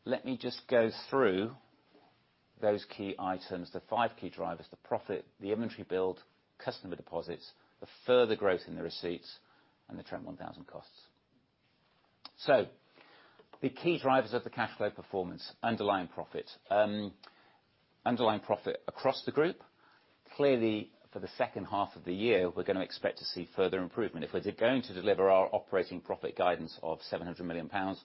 S3: Let me just go through those key items, the five key drivers, the profit, the inventory build, customer deposits, the further growth in the receipts, and the Trent 1000 costs. The key drivers of the cash flow performance. Underlying profit. Underlying profit across the group. Clearly, for the second half of the year, we are going to expect to see further improvement. If we're going to deliver our operating profit guidance of 700 million pounds,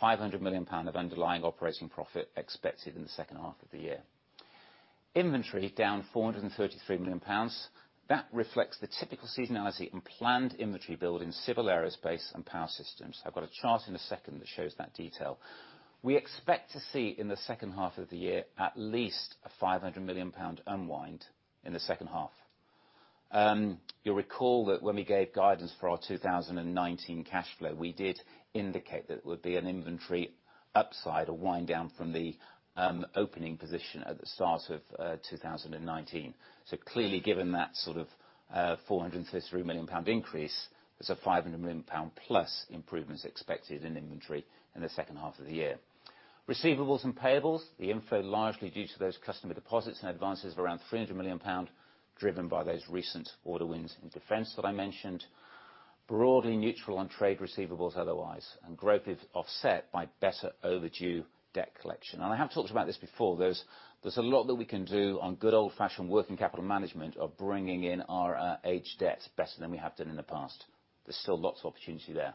S3: 500 million pound of underlying operating profit expected in the second half of the year. Inventory down 433 million pounds. That reflects the typical seasonality in planned inventory build in Civil Aerospace and Power Systems. I've got a chart in a second that shows that detail. We expect to see in the second half of the year at least a 500 million pound unwind in the second half. You'll recall that when we gave guidance for our 2019 cash flow, we did indicate that there would be an inventory upside or wind down from the opening position at the start of 2019. Clearly, given that sort of 433 million pound increase, there's a 500 million pound+ improvements expected in inventory in the second half of the year. Receivables and payables, the inflow largely due to those customer deposits and advances of around 300 million pound, driven by those recent order wins in Defence that I mentioned. Broadly neutral on trade receivables otherwise, growth is offset by better overdue debt collection. I have talked about this before. There's a lot that we can do on good old-fashioned working capital management of bringing in our aged debt better than we have done in the past. There's still lots of opportunity there.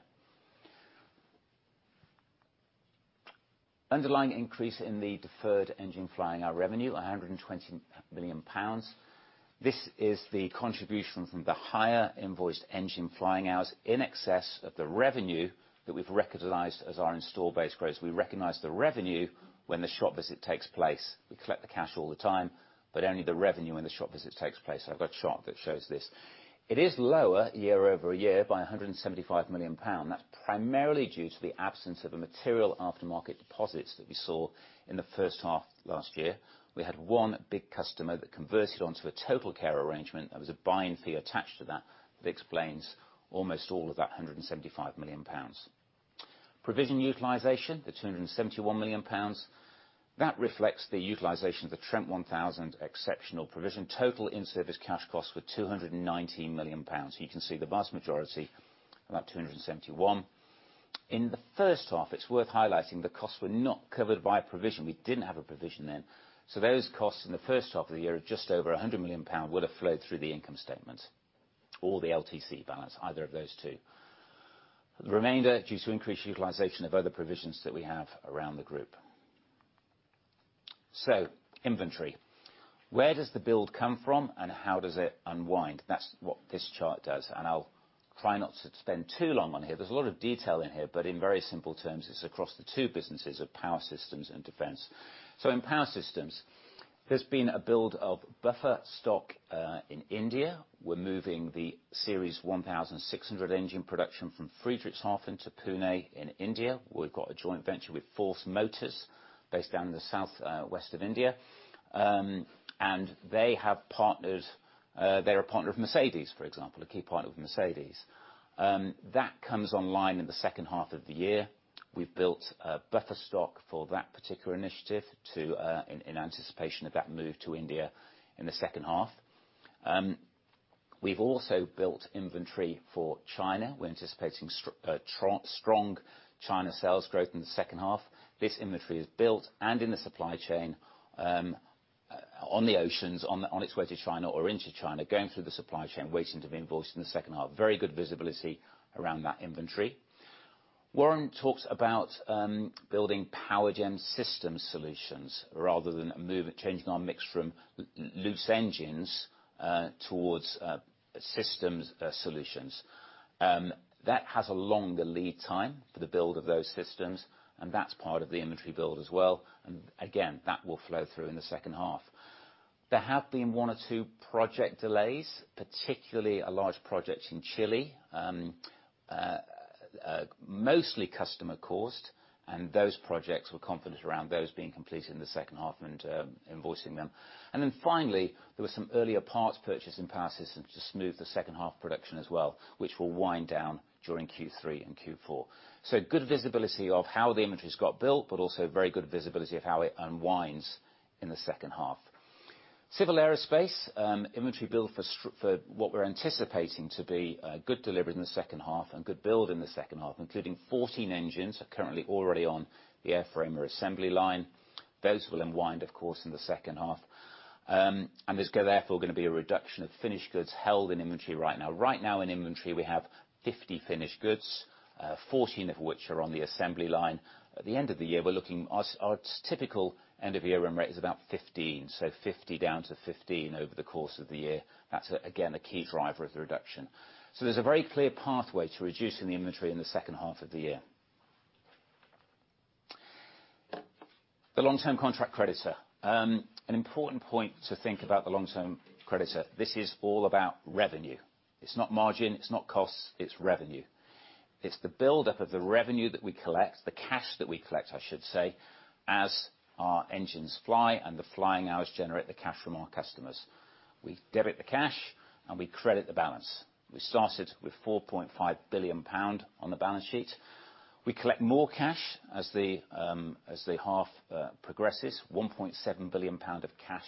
S3: Underlying increase in the deferred engine flying hour revenue, 120 million pounds. This is the contribution from the higher invoiced engine flying hours in excess of the revenue that we've recognized as our install base grows. We recognize the revenue when the shop visit takes place. We collect the cash all the time, but only the revenue when the shop visit takes place. I've got a chart that shows this. It is lower year-over-year by 175 million pound. That's primarily due to the absence of a material aftermarket deposits that we saw in the first half last year. We had one big customer that converted onto a TotalCare arrangement. There was a buying fee attached to that explains almost all of that 175 million pounds. Provision utilization, the 271 million pounds. That reflects the utilization of the Trent 1000 exceptional provision. Total in-service cash costs were 219 million pounds. You can see the vast majority, about 271 million. In the first half, it's worth highlighting the costs were not covered by a provision. We didn't have a provision then. Those costs in the first half of the year of just over 100 million pound would have flowed through the income statement or the LTC balance, either of those two. The remainder due to increased utilization of other provisions that we have around the group. Inventory. Where does the build come from and how does it unwind? That's what this chart does, and I'll try not to spend too long on here. There's a lot of detail in here, but in very simple terms, it's across the two businesses of Power Systems and Defence. In Power Systems, there's been a build of buffer stock in India. We're moving the Series 1600 engine production from Friedrichshafen to Pune in India. We've got a joint venture with Force Motors based down in the southwest of India. They have partners, they're a partner of Mercedes, for example, a key partner with Mercedes. That comes online in the second half of the year. We've built a buffer stock for that particular initiative in anticipation of that move to India in the second half. We've also built inventory for China. We're anticipating strong China sales growth in the second half. This inventory is built and in the supply chain, on the oceans on its way to China or into China, going through the supply chain waiting to be invoiced in the second half. Very good visibility around that inventory. Warren talked about building Power Gen system solutions rather than changing our mix from loose engines towards systems solutions. That has a longer lead time for the build of those systems, and that's part of the inventory build as well. Again, that will flow through in the second half. There have been one or two project delays, particularly a large project in Chile, mostly customer-caused, and those projects, we're confident around those being completed in the second half and invoicing them. Finally, there were some earlier parts purchase in Power Systems to smooth the second half production as well, which will wind down during Q3 and Q4. Good visibility of how the inventories got built, but also very good visibility of how it unwinds in the second half. Civil Aerospace inventory build for what we're anticipating to be good deliveries in the second half and good build in the second half, including 14 engines are currently already on the airframer assembly line. Those will unwind, of course, in the second half. There's therefore going to be a reduction of finished goods held in inventory right now. Right now in inventory, we have 50 finished goods, 14 of which are on the assembly line. At the end of the year, our typical end-of-year run rate is about 15, so 50 down to 15 over the course of the year. That's again, a key driver of the reduction. There's a very clear pathway to reducing the inventory in the second half of the year. The long-term contract creditor. An important point to think about the long-term contract creditor. This is all about revenue. It's not margin, it's not costs, it's revenue. It's the buildup of the revenue that we collect, the cash that we collect, I should say, as our engines fly and the flying hours generate the cash from our customers. We debit the cash, and we credit the balance. We started with 4.5 billion pound on the balance sheet. We collect more cash as the half progresses, 1.7 billion pound of cash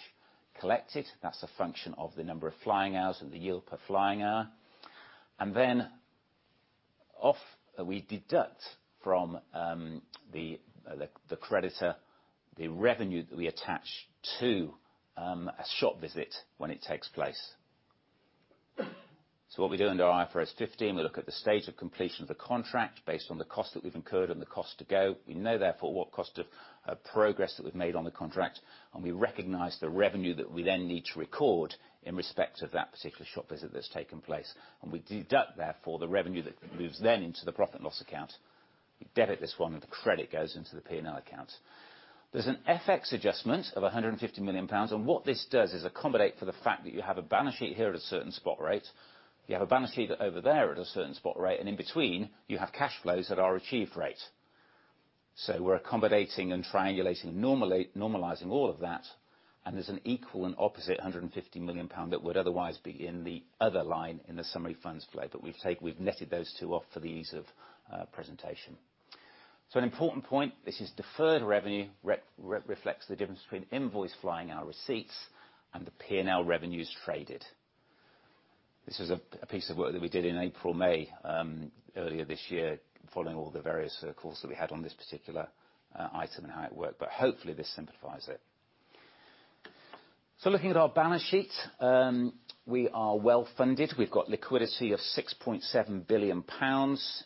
S3: collected. That's a function of the number of flying hours and the yield per flying hour. Then off we deduct from the creditor, the revenue that we attach to a shop visit when it takes place. What we do under IFRS 15, we look at the stage of completion of the contract based on the cost that we've incurred and the cost to go. We know therefore what cost of progress that we've made on the contract, and we recognize the revenue that we then need to record in respect of that particular shop visit that's taken place. We deduct therefore, the revenue that moves then into the profit and loss account. We debit this one, and the credit goes into the P&L account. There's an FX adjustment of 150 million pounds. What this does is accommodate for the fact that you have a balance sheet here at a certain spot rate. You have a balance sheet over there at a certain spot rate. In between you have cash flows that are achieved rate. We're accommodating and triangulating, normalizing all of that. There's an equal and opposite 150 million pound that would otherwise be in the other line in the summary funds flow. We've netted those two off for the ease of presentation. An important point, this is deferred revenue. Reflects the difference between invoiced flying hour receipts and the P&L revenues traded. This is a piece of work that we did in April, May, earlier this year following all the various calls that we had on this particular item and how it worked. Hopefully this simplifies it. Looking at our balance sheet. We are well-funded. We've got liquidity of 6.7 billion pounds.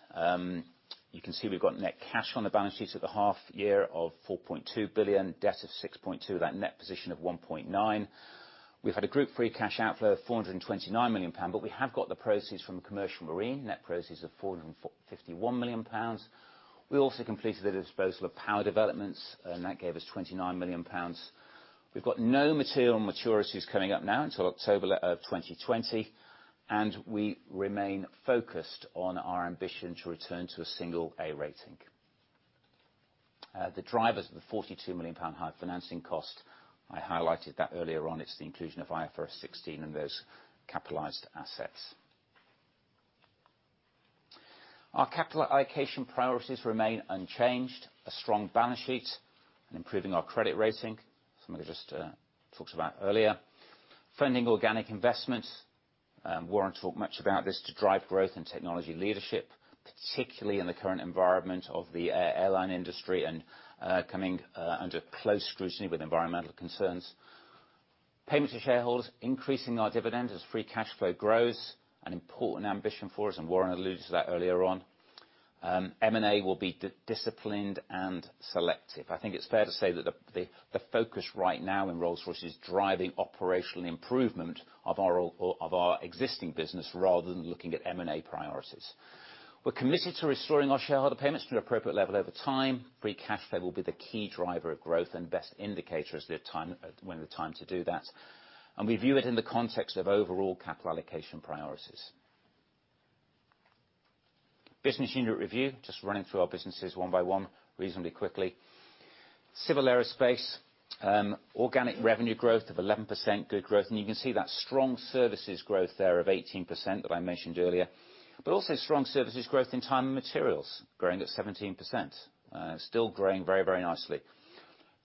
S3: You can see we've got net cash on the balance sheet at the half year of 4.2 billion, debt of 6.2 billion, that net position of 1.9 billion. We've had a group free cash outflow of 429 million pounds, we have got the proceeds from Commercial Marine, net proceeds of 451 million pounds. We also completed the disposal of Power Developments, that gave us 29 million pounds. We've got no material maturities coming up now until October of 2020, we remain focused on our ambition to return to a single A rating. The drivers of the 42 million pound high financing cost, I highlighted that earlier on. It's the inclusion of IFRS 16 and those capitalized assets. Our capital allocation priorities remain unchanged. A strong balance sheet and improving our credit rating. Something I just talked about earlier. Funding organic investment, Warren talked much about this, to drive growth and technology leadership, particularly in the current environment of the airline industry and coming under close scrutiny with environmental concerns. Payments to shareholders, increasing our dividend as free cash flow grows, an important ambition for us, and Warren alluded to that earlier on. M&A will be disciplined and selective. I think it's fair to say that the focus right now in Rolls-Royce is driving operational improvement of our existing business rather than looking at M&A priorities. We're committed to restoring our shareholder payments to an appropriate level over time. Free cash flow will be the key driver of growth and best indicator as when the time to do that, and we view it in the context of overall capital allocation priorities. Business unit review, just running through our businesses one by one reasonably quickly. Civil Aerospace, organic revenue growth of 11%, good growth, and you can see that strong services growth there of 18% that I mentioned earlier. Also strong services growth in time and materials, growing at 17%. Still growing very nicely.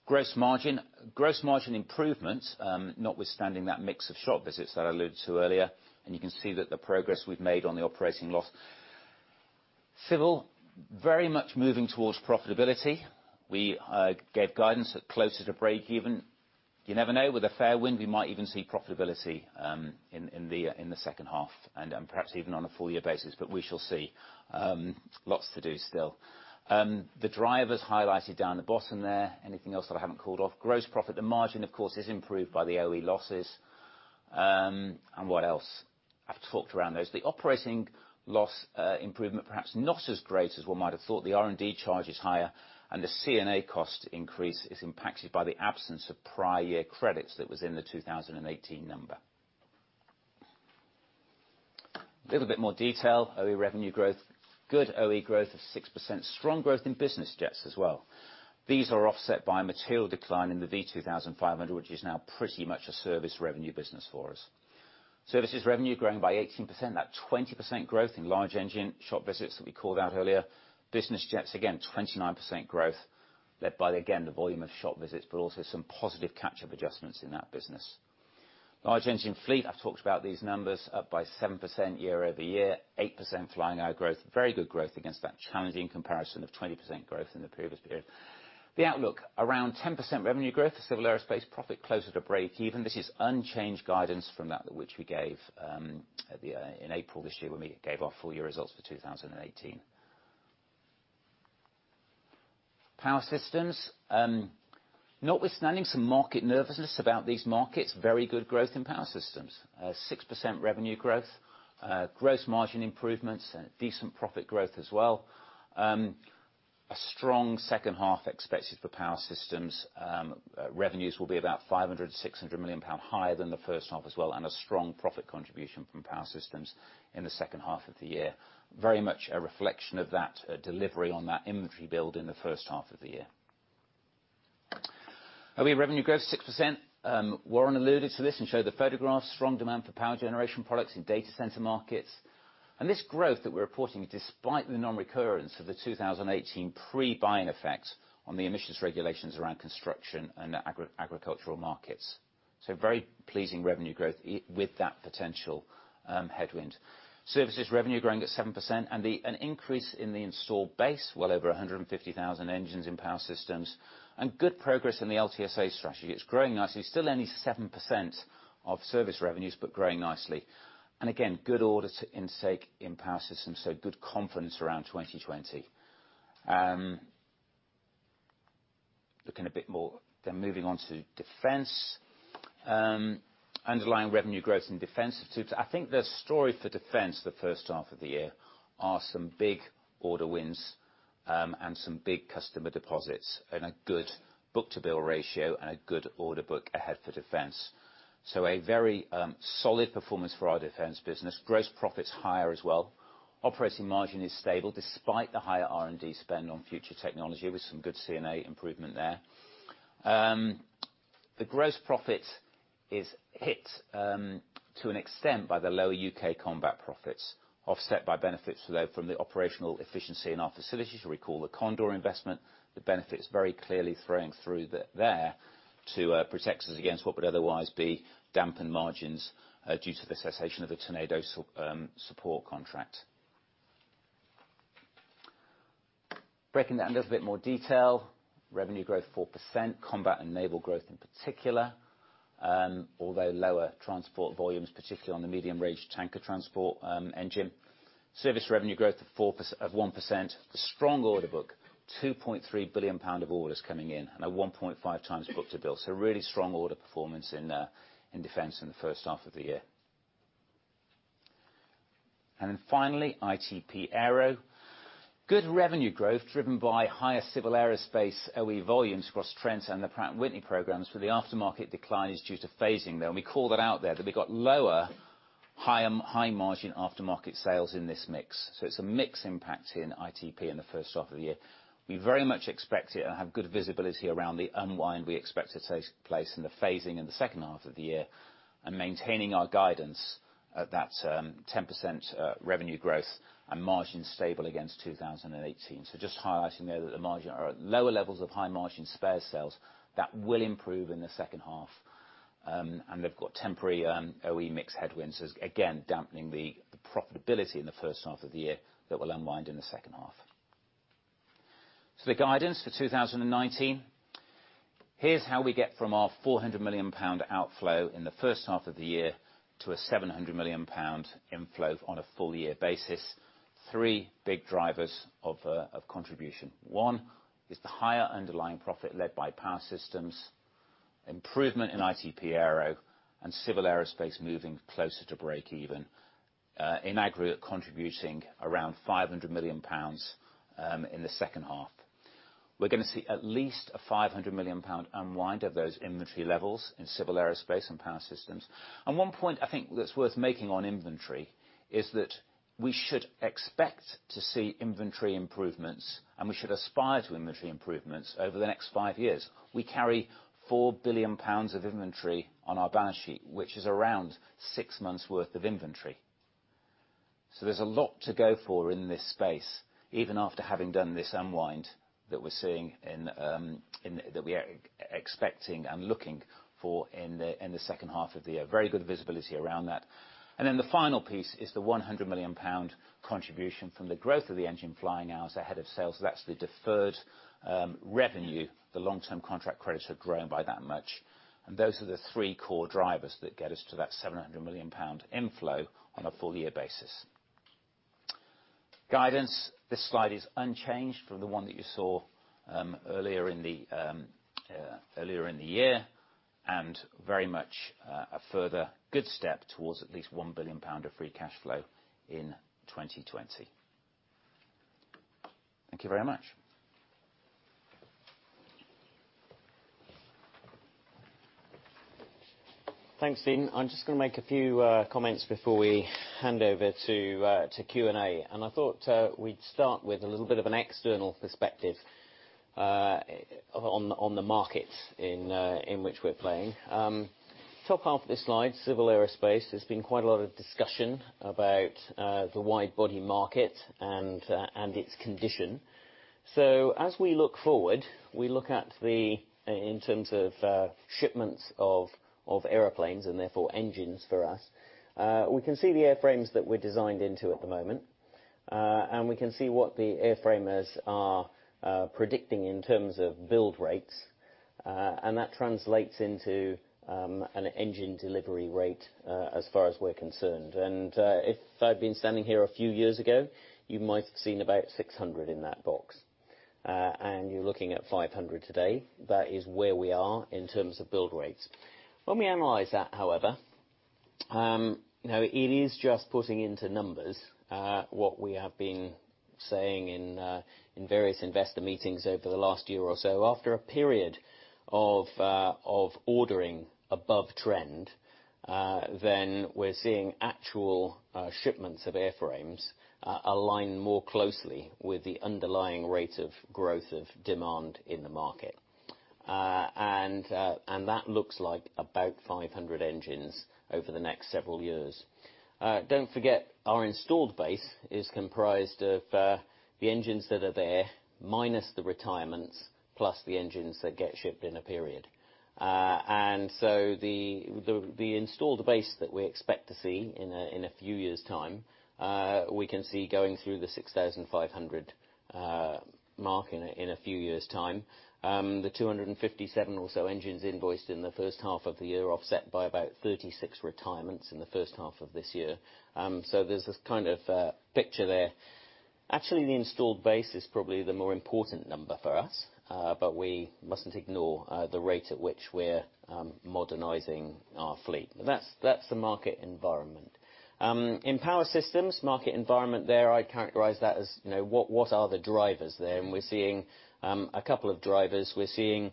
S3: Gross margin improvement, notwithstanding that mix of shop visits that I alluded to earlier. You can see that the progress we've made on the operating loss. Civil, very much moving towards profitability. We gave guidance at closer to break even. You never know, with a fair wind, we might even see profitability in the second half, and perhaps even on a full year basis, but we shall see. Lots to do still. The drivers highlighted down the bottom there. Anything else that I haven't called off? Gross profit. The margin, of course, is improved by the OE losses. What else? I've talked around those. The operating loss improvement, perhaps not as great as one might have thought. The R&D charge is higher, and the C&A cost increase is impacted by the absence of prior year credits that was in the 2018 number. Little bit more detail. OE revenue growth. Good OE growth of 6%. Strong growth in business jets as well. These are offset by a material decline in the V2500, which is now pretty much a service revenue business for us. Services revenue growing by 18%. That 20% growth in large engine shop visits that we called out earlier. Business jets, again, 29% growth, led by, again, the volume of shop visits, but also some positive catch-up adjustments in that business. Large engine fleet, I've talked about these numbers, up by 7% year-over-year, 8% flying hour growth. Very good growth against that challenging comparison of 20% growth in the previous period. The outlook, around 10% revenue growth for Civil Aerospace, profit closer to break even. This is unchanged guidance from that which we gave in April this year when we gave our full year results for 2018. Power Systems. Notwithstanding some market nervousness about these markets, very good growth in Power Systems. 6% revenue growth, gross margin improvements, decent profit growth as well. A strong second half expected for Power Systems. Revenues will be about 500 million-600 million pounds higher than the first half as well, and a strong profit contribution from Power Systems in the second half of the year. Very much a reflection of that delivery on that inventory build in the first half of the year. OE revenue growth 6%. Warren alluded to this and showed the photographs. Strong demand for power generation products in data center markets. This growth that we're reporting, despite the non-recurrence of the 2018 pre-buying effect on the emissions regulations around construction and agricultural markets. Very pleasing revenue growth with that potential headwind. Services revenue growing at 7%, and an increase in the installed base. Well over 150,000 engines in Power Systems. Good progress in the LTSA strategy. It's growing nicely. Still only 7% of service revenues, but growing nicely. Again, good order intake in Power Systems, so good confidence around 2020. Looking a bit more moving on to Defence. Underlying revenue growth in Defence. I think the story for Defence the first half of the year are some big order wins, and some big customer deposits, and a good book-to-bill ratio, and a good order book ahead for Defence. A very solid performance for our Defence business. Gross profit's higher as well. Operating margin is stable despite the higher R&D spend on future technology, with some good C&A improvement there. The gross profit is hit to an extent by the lower U.K. combat profits, offset by benefits from the operational efficiency in our facilities. You'll recall the Condor investment. The benefit is very clearly throwing through there to protect us against what would otherwise be dampened margins due to the cessation of the Tornado support contract. Breaking down a little bit more detail. Revenue growth 4%, combat and naval growth in particular. Although lower transport volumes, particularly on the medium-range tanker transport engine. Service revenue growth of 1%. A strong order book, 2.3 billion pound of orders coming in and a 1.5x book-to-bill. Really strong order performance in Defence in the first half of the year. Finally, ITP Aero. Good revenue growth driven by higher Civil Aerospace OE volumes across Trent and the Pratt & Whitney programs, where the aftermarket decline is due to phasing, though. We called that out there, that we got lower high-margin aftermarket sales in this mix. It's a mix impact in ITP in the first half of the year. We very much expect it and have good visibility around the unwind we expect to take place and the phasing in the second half of the year. Maintaining our guidance at that 10% revenue growth and margin stable against 2018. Just highlighting there that the margin are at lower levels of high-margin spare sales. That will improve in the second half. They've got temporary OE mix headwinds as, again, dampening the profitability in the first half of the year that will unwind in the second half. The guidance for 2019. Here's how we get from our 400 million pound outflow in the first half of the year to a 700 million pound inflow on a full year basis. Three big drivers of contribution. One is the higher underlying profit led by Power Systems, improvement in ITP Aero, and Civil Aerospace moving closer to break even, in aggregate, contributing around 500 million pounds in the second half. We're going to see at least a 500 million pound unwind of those inventory levels in Civil Aerospace and Power Systems. One point I think that's worth making on inventory is that we should expect to see inventory improvements, and we should aspire to inventory improvements over the next five years. We carry 4 billion pounds of inventory on our balance sheet, which is around six months' worth of inventory. There's a lot to go for in this space, even after having done this unwind that we're seeing, and that we are expecting and looking for in the second half of the year. Very good visibility around that. The final piece is the 100 million pound contribution from the growth of the engine flying hours ahead of sales. That's the deferred revenue. The long-term contract credits have grown by that much. Those are the three core drivers that get us to that 700 million pound inflow on a full year basis. Guidance. This slide is unchanged from the one that you saw earlier in the year, and very much a further good step towards at least 1 billion pound of free cash flow in 2020. Thank you very much.
S2: Thanks, Stephen. I'm just going to make a few comments before we hand over to Q&A. I thought we'd start with a little bit of an external perspective on the market in which we're playing. Top half of this slide, Civil Aerospace, there's been quite a lot of discussion about the wide-body market and its condition. As we look forward, we look at the, in terms of shipments of airplanes and therefore engines for us. We can see the airframes that we're designed into at the moment. We can see what the airframers are predicting in terms of build rates. That translates into an engine delivery rate as far as we're concerned. If I'd been standing here a few years ago, you might have seen about 600 in that box. You're looking at 500 today. That is where we are in terms of build rates. When we analyze that, however, it is just putting into numbers what we have been saying in various investor meetings over the last year or after a period of ordering above trend. We're seeing actual shipments of airframes align more closely with the underlying rate of growth of demand in the market. That looks like about 500 engines over the next several years. Don't forget, our installed base is comprised of the engines that are there minus the retirements, plus the engines that get shipped in a period. The installed base that we expect to see in a few years' time, we can see going through the 6,500 mark in a few years' time. The 257 or so engines invoiced in the first half of the year offset by about 36 retirements in the first half of this year. There's this kind of picture there. Actually, the installed base is probably the more important number for us. We mustn't ignore the rate at which we're modernizing our fleet. That's the market environment. In Power Systems, market environment there, I characterize that as what are the drivers there? We're seeing a couple of drivers. We're seeing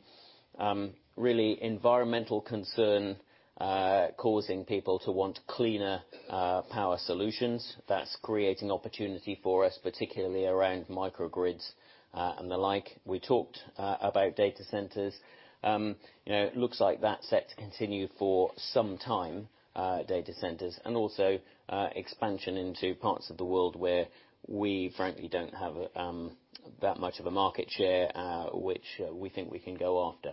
S2: really environmental concern causing people to want cleaner power solutions. That's creating opportunity for us, particularly around microgrids and the like. We talked about data centers. It looks like that's set to continue for some time, data centers. Also expansion into parts of the world where we frankly don't have that much of a market share, which we think we can go after.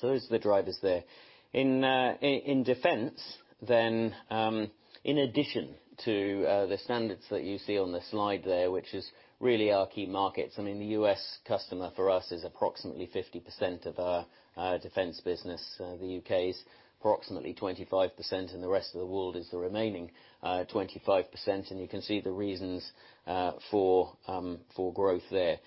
S2: Those are the drivers there. In Defence, in addition to the standards that you see on the slide there, which is really our key markets. I mean, the U.S. customer for us is approximately 50% of our Defence business. The U.K. is approximately 25%, and the rest of the world is the remaining 25%. You can see the reasons for growth there.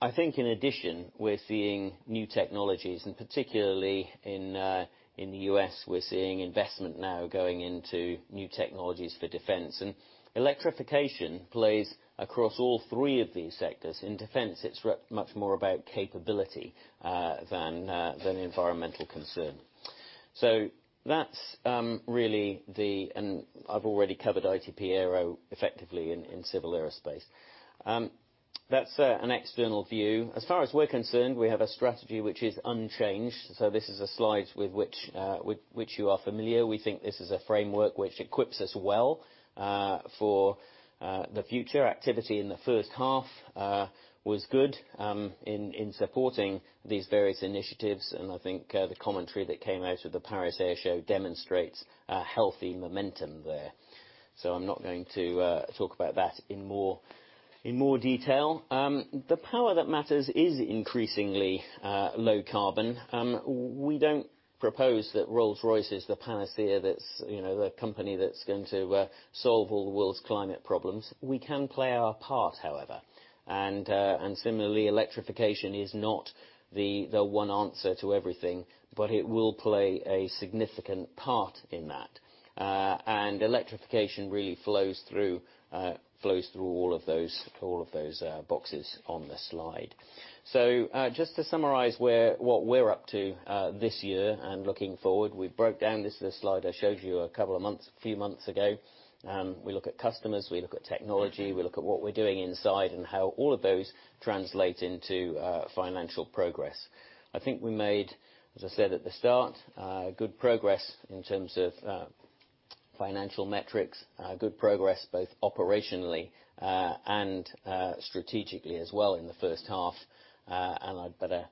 S2: I think in addition, we're seeing new technologies, and particularly in the U.S., we're seeing investment now going into new technologies for Defence. Electrification plays across all three of these sectors. In Defence, it's much more about capability than environmental concern. I've already covered ITP Aero effectively in Civil Aerospace. That's an external view. As far as we're concerned, we have a strategy which is unchanged. This is a slide with which you are familiar. We think this is a framework which equips us well for the future. Activity in the first half was good in supporting these various initiatives, and I think the commentary that came out of the Paris Air Show demonstrates a healthy momentum there. I'm not going to talk about that in more detail. The power that matters is increasingly low carbon. We don't propose that Rolls-Royce is the panacea, the company that's going to solve all the world's climate problems. We can play our part, however. Similarly, electrification is not the one answer to everything, but it will play a significant part in that. Electrification really flows through all of those boxes on the slide. Just to summarize what we're up to this year and looking forward, we broke down this slide I showed you a couple of months, few months ago. We look at customers, we look at technology, we look at what we're doing inside, and how all of those translate into financial progress. I think we made, as I said at the start, good progress in terms of financial metrics. Good progress both operationally and strategically as well in the first half. I'd better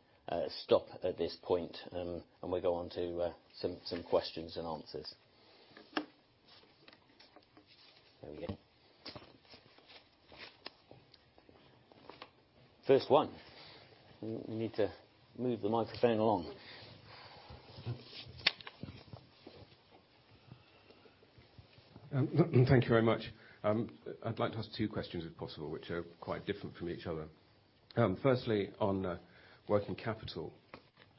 S2: stop at this point and we go on to some questions and answers. There we go. First one. We need to move the microphone along.
S4: Thank you very much. I'd like to ask two questions, if possible, which are quite different from each other. Firstly, on working capital.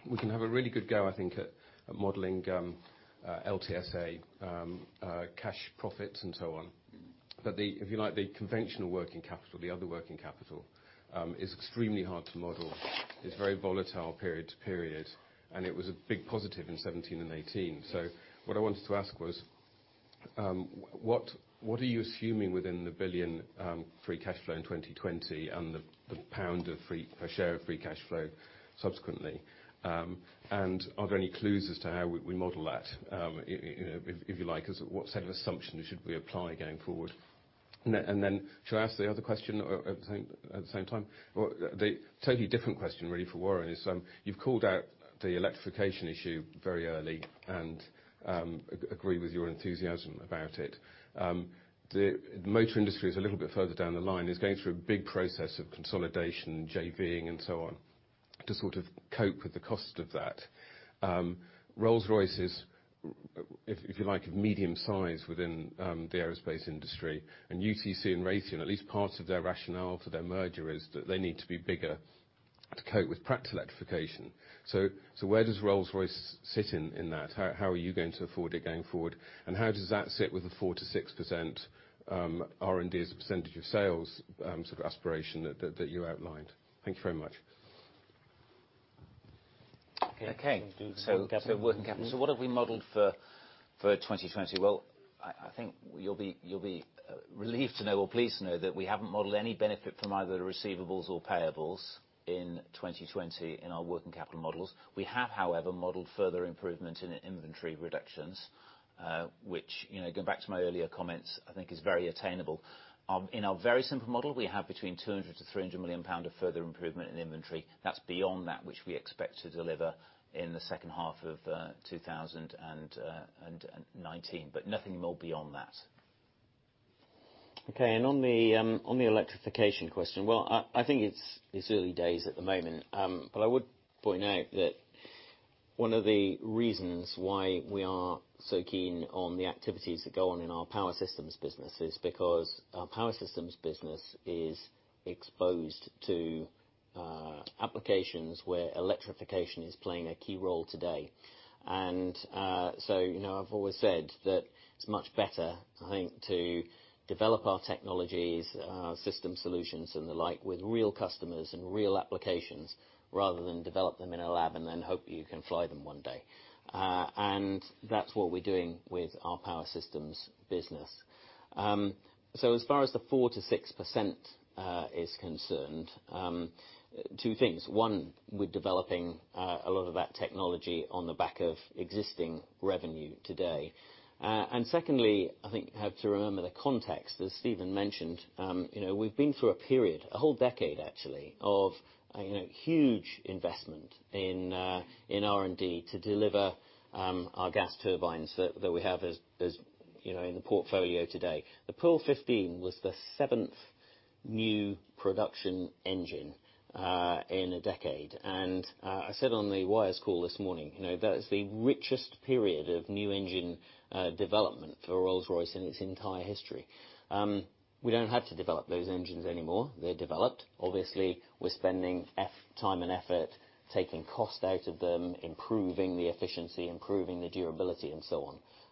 S4: We can have a really good go, I think, at modeling LTSA cash profits and so on. The, if you like, the conventional working capital, the other working capital, is extremely hard to model, is very volatile period to period, and it was a big positive in 2017 and 2018. What I wanted to ask was, what are you assuming within the 1 billion free cash flow in 2020 and the pound per share of free cash flow subsequently? Are there any clues as to how we model that? If you like, what set of assumptions should we apply going forward? Should I ask the other question at the same time? A totally different question really for Warren is, you've called out the electrification issue very early and agree with your enthusiasm about it. The motor industry is a little bit further down the line, it's going through a big process of consolidation, JV-ing and so on, to sort of cope with the cost of that. Rolls-Royce is, if you like, of medium size within the aerospace industry and UTC and Raytheon, at least parts of their rationale for their merger is that they need to be bigger to cope with Pratt electrification. Where does Rolls-Royce sit in that? How are you going to afford it going forward? How does that sit with the 4%-6% R&D as a percentage of sales sort of aspiration that you outlined? Thank you very much.
S3: Working capital. What have we modeled for 2020? I think you'll be relieved to know or pleased to know that we haven't modeled any benefit from either the receivables or payables in 2020 in our working capital models. We have, however, modeled further improvement in inventory reductions, which, going back to my earlier comments, I think is very attainable. In our very simple model, we have between 200 million-300 million pounds of further improvement in inventory. That's beyond that which we expect to deliver in the second half of 2019. Nothing more beyond that.
S2: Okay, on the electrification question. I think it's early days at the moment. I would point out that one of the reasons why we are so keen on the activities that go on in our Power Systems business is because our Power Systems business is exposed to applications where electrification is playing a key role today. I've always said that it's much better, I think, to develop our technologies, our system solutions and the like with real customers and real applications, rather than develop them in a lab and then hope you can fly them one day. That's what we're doing with our Power Systems business. As far as the 4%-6% is concerned, two things. One, we're developing a lot of that technology on the back of existing revenue today. Secondly, I think you have to remember the context, as Stephen mentioned. We've been through a period, a whole decade actually, of huge investment in R&D to deliver our gas turbines that we have in the portfolio today. The Pearl 15 was the seventh new production engine in a decade. I said on the wires call this morning, that is the richest period of new engine development for Rolls-Royce in its entire history. We don't have to develop those engines anymore. They're developed. Obviously, we're spending time and effort taking cost out of them, improving the efficiency, improving the durability, and so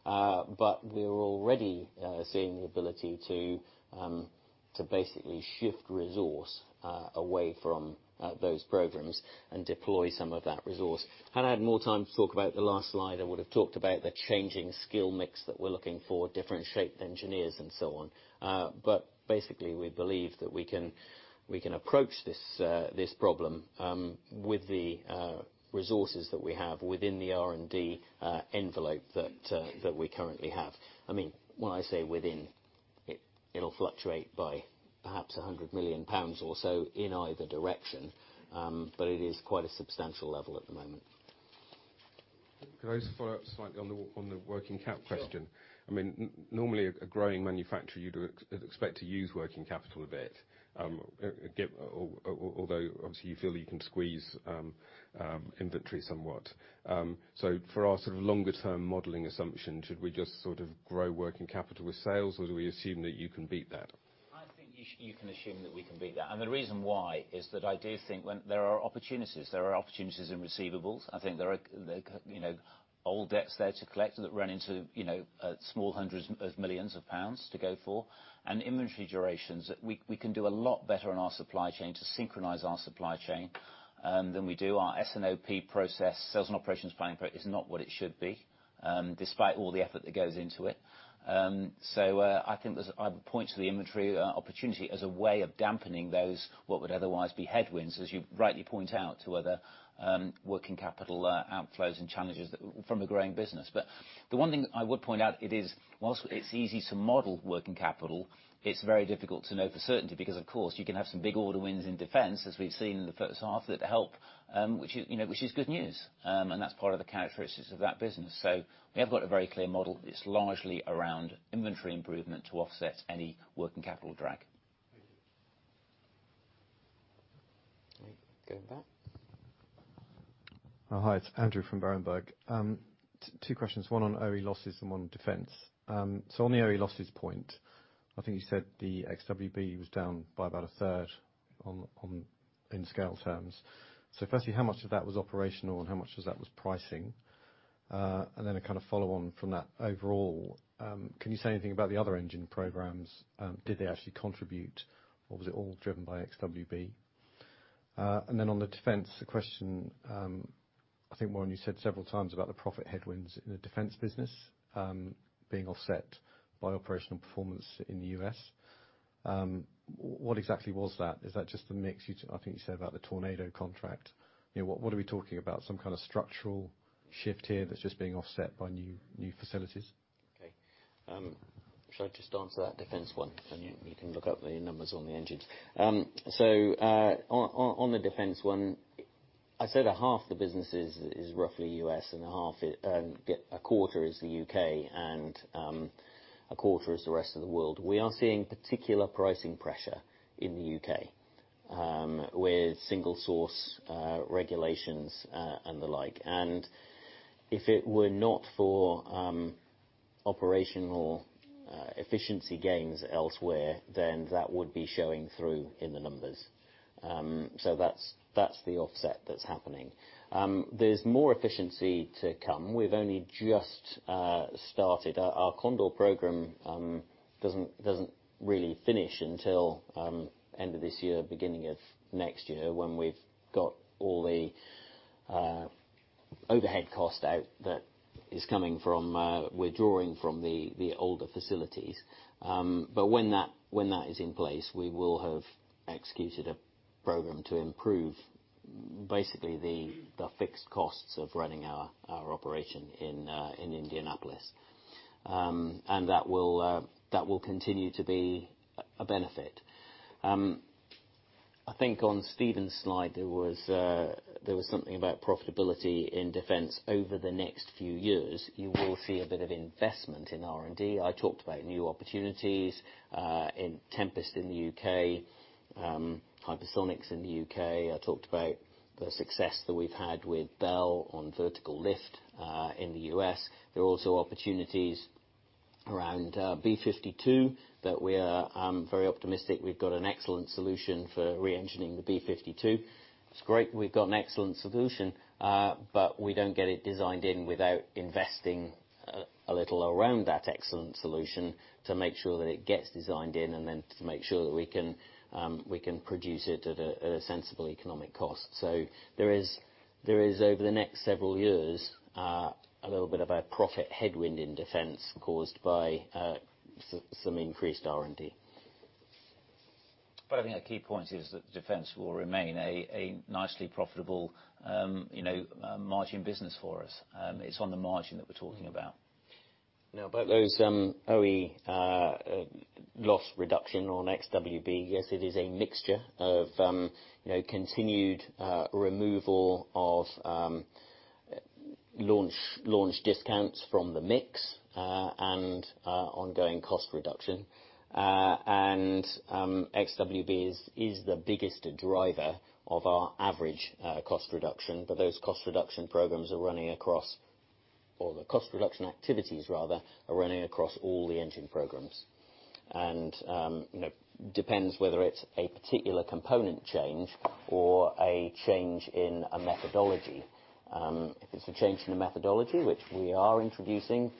S2: on. We're already seeing the ability to basically shift resource away from those programs and deploy some of that resource. Had I more time to talk about the last slide, I would have talked about the changing skill mix that we're looking for, different shaped engineers and so on. Basically, we believe that we can approach this problem with the resources that we have within the R&D envelope that we currently have. When I say within, it'll fluctuate by perhaps 100 million pounds or so in either direction. It is quite a substantial level at the moment.
S4: Can I just follow up slightly on the working cap question?
S3: Sure.
S4: Normally, a growing manufacturer, you'd expect to use working capital a bit. Although obviously you feel you can squeeze inventory somewhat. For our sort of longer term modeling assumption, should we just sort of grow working capital with sales, or do we assume that you can beat that?
S3: I think you can assume that we can beat that. The reason why is that I do think there are opportunities. There are opportunities in receivables. I think there are old debts there to collect that run into small 100 million pounds to go for. Inventory durations, we can do a lot better on our supply chain to synchronize our supply chain than we do our S&OP process. Sales and operations planning is not what it should be, despite all the effort that goes into it. I think I would point to the inventory opportunity as a way of dampening those, what would otherwise be headwinds, as you rightly point out, to other working capital outflows and challenges from a growing business. The one thing I would point out, whilst it's easy to model working capital, it's very difficult to know for certainty because, of course, you can have some big order wins in Defence as we've seen in the first half that help, which is good news. That's part of the characteristics of that business. We have got a very clear model. It's largely around inventory improvement to offset any working capital drag. Going back.
S5: Hi, it's Andrew from Berenberg. Two questions, one on OE losses and one on Defence. On the OE losses point, I think you said the XWB was down by about 1/3 in scale terms. Firstly, how much of that was operational and how much of that was pricing? A kind of follow on from that, overall, can you say anything about the other engine programs? Did they actually contribute or was it all driven by XWB? On the Defence question, I think, Warren, you said several times about the profit headwinds in the Defence business, being offset by operational performance in the U.S. What exactly was that? Is that just the mix? I think you said about the Tornado contract. What are we talking about? Some kind of structural shift here that's just being offset by new facilities?
S2: Okay. Shall I just answer that Defence one and you can look up the numbers on the engines. On the Defence one, I said a half of the business is roughly U.S. and a quarter is the U.K. A quarter is the rest of the world. We are seeing particular pricing pressure in the U.K., with single source regulations, and the like. If it were not for operational efficiency gains elsewhere, that would be showing through in the numbers. That's the offset that's happening. There's more efficiency to come. We've only just started. Our Condor program doesn't really finish until end of this year, beginning of next year, when we've got all the overhead cost out that is coming from withdrawing from the older facilities. When that is in place, we will have executed a program to improve basically the fixed costs of running our operation in Indianapolis. That will continue to be a benefit. I think on Stephen's slide, there was something about profitability in Defence. Over the next few years, you will see a bit of investment in R&D. I talked about new opportunities, in Tempest in the U.K., hypersonics in the U.K. I talked about the success that we've had with Bell on vertical lift, in the U.S. There are also opportunities around B-52 that we are very optimistic we've got an excellent solution for re-engineering the B-52. It's great we've got an excellent solution, we don't get it designed in without investing a little around that excellent solution to make sure that it gets designed in and then to make sure that we can produce it at a sensible economic cost. There is over the next several years, a little bit of a profit headwind in Defence caused by some increased R&D.
S3: I think the key point is that Defence will remain a nicely profitable margin business for us. It's on the margin that we're talking about.
S2: About those OE loss reduction on XWB, yes, it is a mixture of continued removal of launch discounts from the mix, and ongoing cost reduction. XWB is the biggest driver of our average cost reduction, but those cost reduction programs or the cost reduction activities rather, are running across all the engine programs. Depends whether it's a particular component change or a change in a methodology. If it's a change in the methodology, which we are introducing,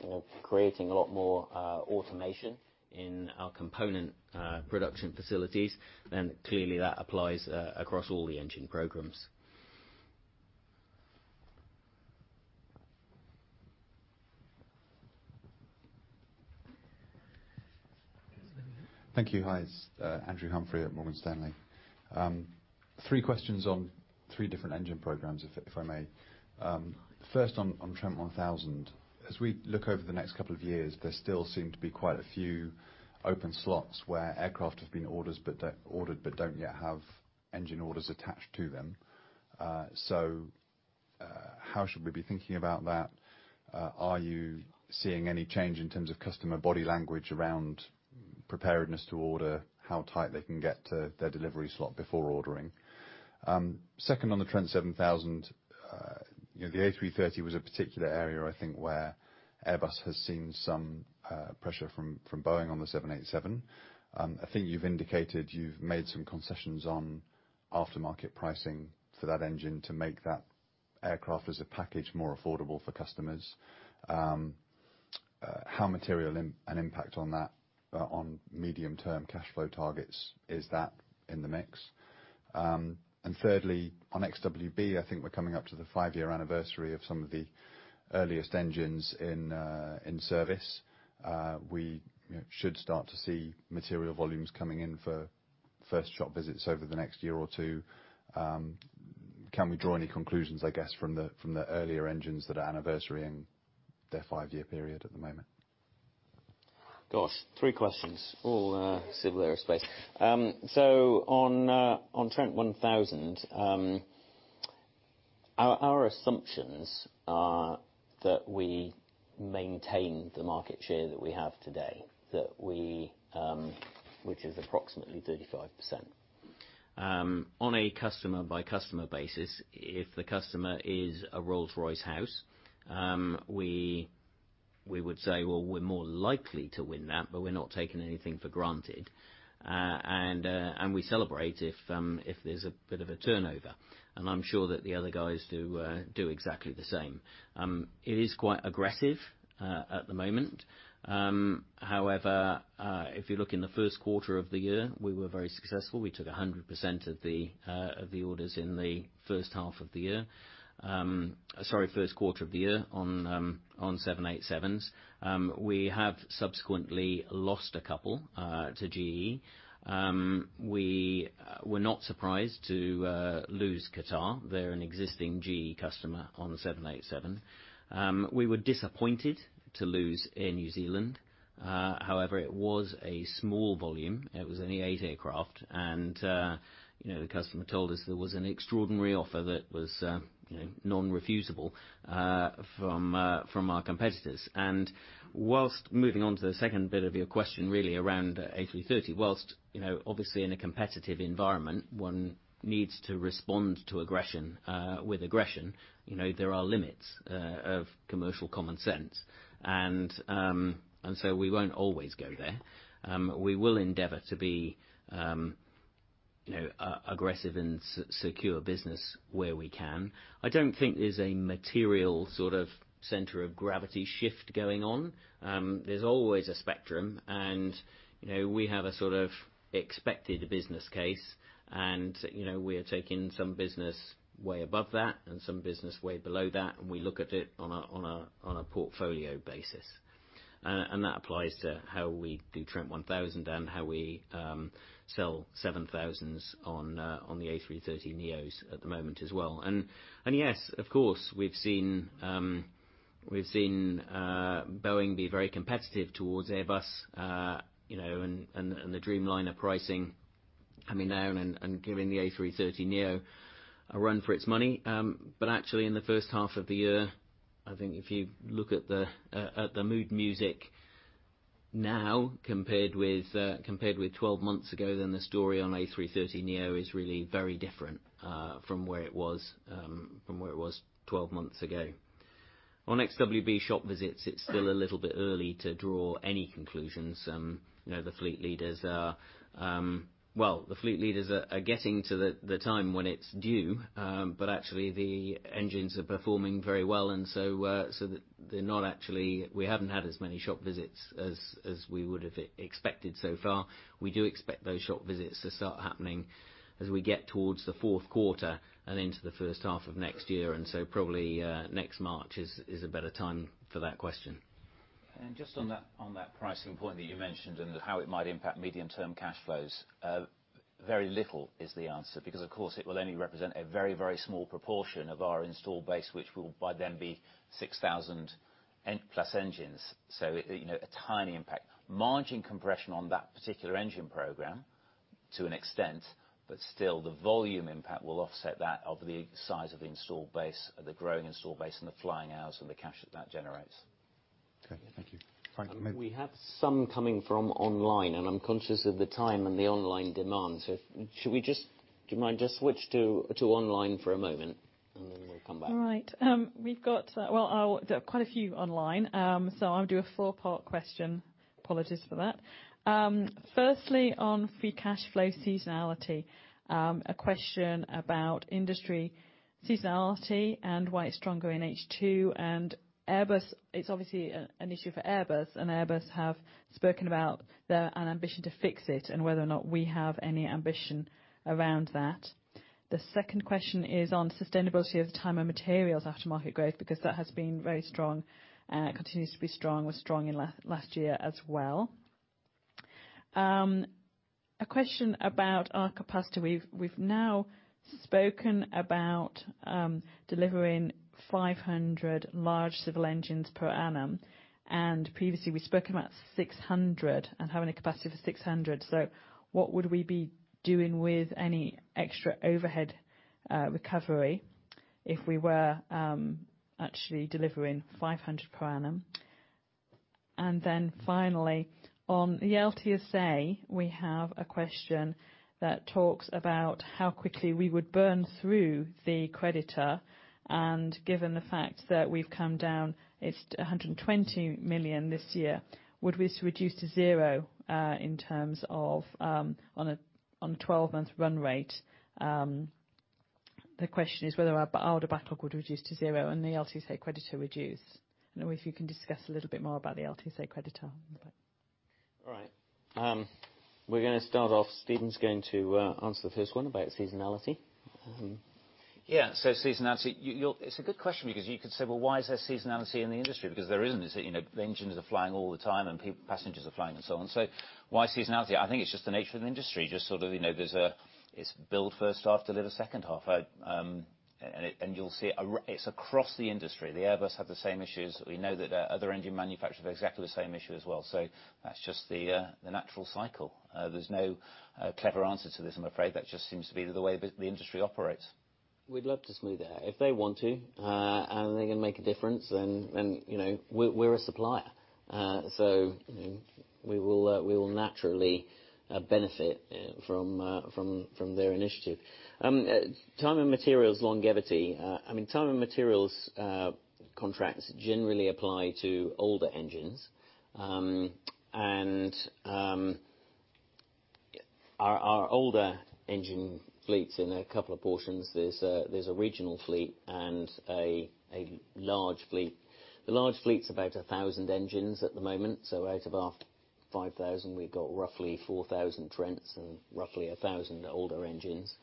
S2: creating a lot more automation in our component production facilities, then clearly that applies across all the engine programs. Okay, Stephen.
S6: Thank you. Hi, it's Andrew Humphrey at Morgan Stanley. Three questions on three different engine programs, if I may. First on Trent 1000. As we look over the next couple of years, there still seem to be quite a few open slots where aircraft have been ordered but don't yet have engine orders attached to them. How should we be thinking about that? Are you seeing any change in terms of customer body language around preparedness to order, how tight they can get to their delivery slot before ordering? Second on the Trent 7000. The A330 was a particular area, I think, where Airbus has seen some pressure from Boeing on the 787. I think you've indicated you've made some concessions on aftermarket pricing for that engine to make that aircraft as a package more affordable for customers. How material an impact on that on medium term cashflow targets is that in the mix? Thirdly, on XWB, I think we're coming up to the five-year anniversary of some of the earliest engines in service. We should start to see material volumes coming in for first shop visits over the next year or two. Can we draw any conclusions, I guess, from the earlier engines that are anniversarying their five-year period at the moment?
S2: Gosh, three questions, all Civil Aerospace. On Trent 1000 Our assumptions are that we maintain the market share that we have today, which is approximately 35%. On a customer-by-customer basis, if the customer is a Rolls-Royce house, we would say, well, we're more likely to win that, but we're not taking anything for granted. We celebrate if there's a bit of a turnover, and I'm sure that the other guys do exactly the same. It is quite aggressive at the moment. However, if you look in the first quarter of the year, we were very successful. We took 100% of the orders in the first half of the year. Sorry, first quarter of the year on 787s. We have subsequently lost a couple to GE. We were not surprised to lose Qatar. They're an existing GE customer on the 787. We were disappointed to lose Air New Zealand. However, it was a small volume. It was only eight aircraft. The customer told us there was an extraordinary offer that was non-refusable from our competitors. Whilst moving on to the second bit of your question, really around A330, whilst obviously in a competitive environment, one needs to respond to aggression with aggression. There are limits of commercial common sense. We won't always go there. We will endeavor to be aggressive and secure business where we can. I don't think there's a material sort of center of gravity shift going on. There's always a spectrum, and we have a sort of expected business case, and we are taking some business way above that and some business way below that, and we look at it on a portfolio basis. That applies to how we do Trent 1000 and how we sell 7000s on the A330neos at the moment as well. Yes, of course, we've seen Boeing be very competitive towards Airbus, and the Dreamliner pricing coming down and giving the A330neo a run for its money. Actually, in the first half of the year, I think if you look at the mood music now compared with 12 months ago, the story on A330neo is really very different from where it was 12 months ago. On XWB shop visits, it's still a little bit early to draw any conclusions. The fleet leaders are getting to the time when it's due. Actually, the engines are performing very well, we haven't had as many shop visits as we would have expected so far. We do expect those shop visits to start happening as we get towards the fourth quarter and into the first half of next year. Probably next March is a better time for that question.
S3: Just on that pricing point that you mentioned and how it might impact medium-term cash flows. Very little is the answer, because of course it will only represent a very, very small proportion of our install base, which will by then be 6,000+ engines. A tiny impact. Margin compression on that particular engine program to an extent, but still the volume impact will offset that of the size of the install base, the growing install base and the flying hours and the cash that that generates.
S6: Okay. Thank you. Frank, you may.
S2: We have some coming from online, and I'm conscious of the time and the online demand. Do you mind just switch to online for a moment, and then we'll come back.
S1: All right. We've got quite a few online. I'll do a four-part question. Apologies for that. Firstly, on free cash flow seasonality. A question about industry seasonality and why it's stronger in H2. It's obviously an issue for Airbus, and Airbus have spoken about their ambition to fix it and whether or not we have any ambition around that. The second question is on sustainability of the time and materials aftermarket growth, because that has been very strong. Continues to be strong, was strong in last year as well. A question about our capacity. We've now spoken about delivering 500 large civil engines per annum, and previously we've spoken about 600 and having a capacity for 600. What would we be doing with any extra overhead recovery if we were actually delivering 500 per annum? Finally, on the LTSA, we have a question that talks about how quickly we would burn through the creditor, and given the fact that we've come down, it's 120 million this year. Would this reduce to zero, in terms of on a 12-month run rate? The question is whether our order backlog would reduce to zero and the LTSA creditor reduce? If you can discuss a little bit more about the LTSA creditor.
S2: All right. We're going to start off. Stephen's going to answer the first one about seasonality.
S3: Seasonality. It's a good question because you could say, "Well, why is there seasonality in the industry?" Because there isn't, is it? Engines are flying all the time, and passengers are flying and so on. Why seasonality? I think it's just the nature of the industry, just sort of it's build first half, deliver second half. You'll see it's across the industry. The Airbus have the same issues. We know that other engine manufacturers have exactly the same issue as well. That's just the natural cycle. There's no clever answer to this, I'm afraid. That just seems to be the way the industry operates.
S2: We'd love to smooth it out. If they want to, and they can make a difference, then we're a supplier. We will naturally benefit from their initiative. Time and materials longevity. Time and materials contracts generally apply to older engines. Our older engine fleets, in a couple of portions, there's a regional fleet and a large fleet. The large fleet's about 1,000 engines at the moment. Out of our 5,000, we've got roughly 4,000 Trents and roughly 1,000 older engines.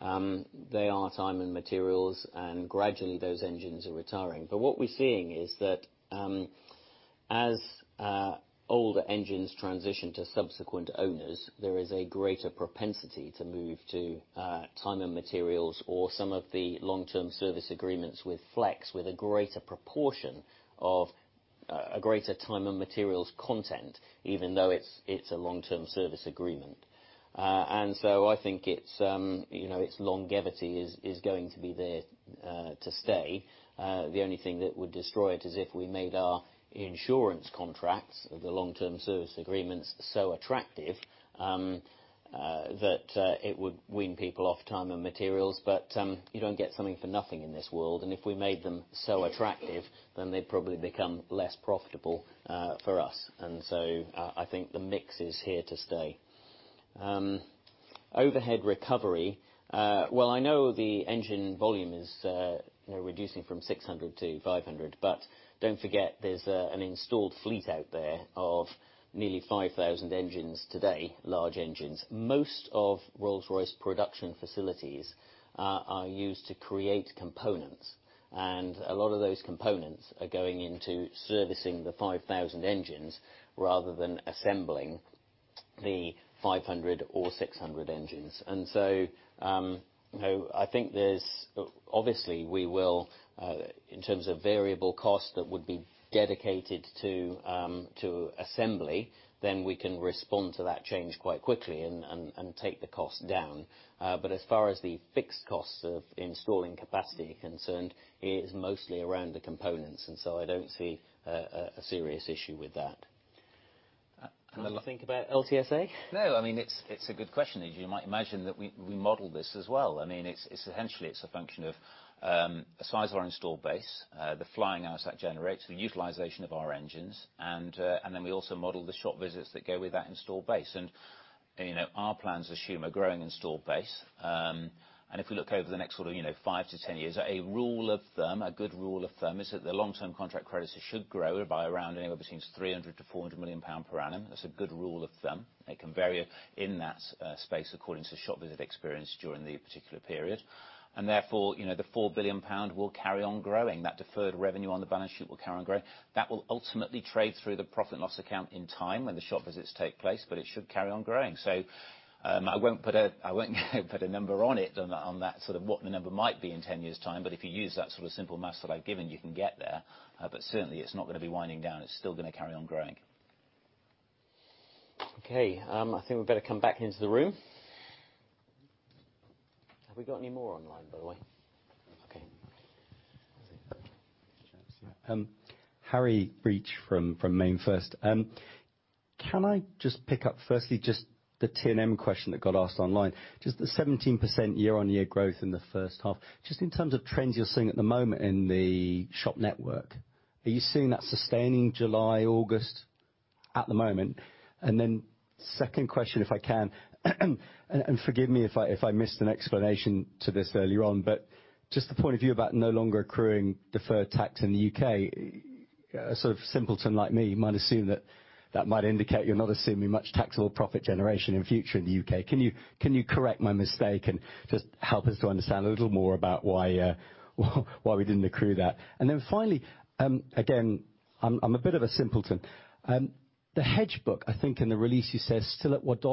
S2: They are time and materials, and gradually those engines are retiring. What we're seeing is that as older engines transition to subsequent owners, there is a greater propensity to move to time and materials or some of the long-term service agreements with flex, with a greater proportion of a greater time and materials content, even though it's a long-term service agreement. I think its longevity is going to be there to stay. The only thing that would destroy it is if we made our insurance contracts, the long-term service agreements, so attractive that it would wean people off time and materials. You don't get something for nothing in this world, and if we made them so attractive, then they'd probably become less profitable for us. I think the mix is here to stay. Overhead recovery. Well, I know the engine volume is reducing from 600 to 500, but don't forget, there's an installed fleet out there of nearly 5,000 engines today, large engines. Most of Rolls-Royce production facilities are used to create components, and a lot of those components are going into servicing the 5,000 engines rather than assembling the 500 or 600 engines. I think obviously we will, in terms of variable cost that would be dedicated to assembly, then we can respond to that change quite quickly and take the cost down. As far as the fixed costs of installing capacity are concerned, it is mostly around the components, and so I don't see a serious issue with that. The thing about LTSA? No. It's a good question. As you might imagine, that we model this as well. Essentially, it's a function of the size of our installed base, the flying hours that generates, the utilization of our engines, and then we also model the shop visits that go with that installed base. Our plans assume a growing installed base. If we look over the next sort of 5-10 years, a rule of thumb, a good rule of thumb, is that the long-term contract credits should grow by around anywhere between 300 million-400 million pounds per annum. That's a good rule of thumb. It can vary in that space according to shop visit experience during the particular period. Therefore, the 4 billion pound will carry on growing. That deferred revenue on the balance sheet will carry on growing. That will ultimately trade through the profit loss account in time when the shop visits take place, but it should carry on growing. I won't put a number on it, on that sort of what the number might be in 10 years' time. If you use that sort of simple math that I've given, you can get there. Certainly, it's not going to be winding down. It's still going to carry on growing. Okay. I think we better come back into the room. Have we got any more online, by the way? Okay.
S7: Harry Breach from MainFirst. Can I just pick up firstly just the T&M question that got asked online? Just the 17% year-on-year growth in the first half, just in terms of trends you're seeing at the moment in the shop network, are you seeing that sustaining July, August at the moment? Second question, if I can, and forgive me if I missed an explanation to this earlier on, but just the point of view about no longer accruing deferred tax in the U.K. A sort of simpleton like me might assume that that might indicate you're not assuming much taxable profit generation in future in the U.K. Can you correct my mistake and just help us to understand a little more about why we didn't accrue that? Finally, again, I'm a bit of a simpleton. The hedge book, I think in the release you said, still at GBP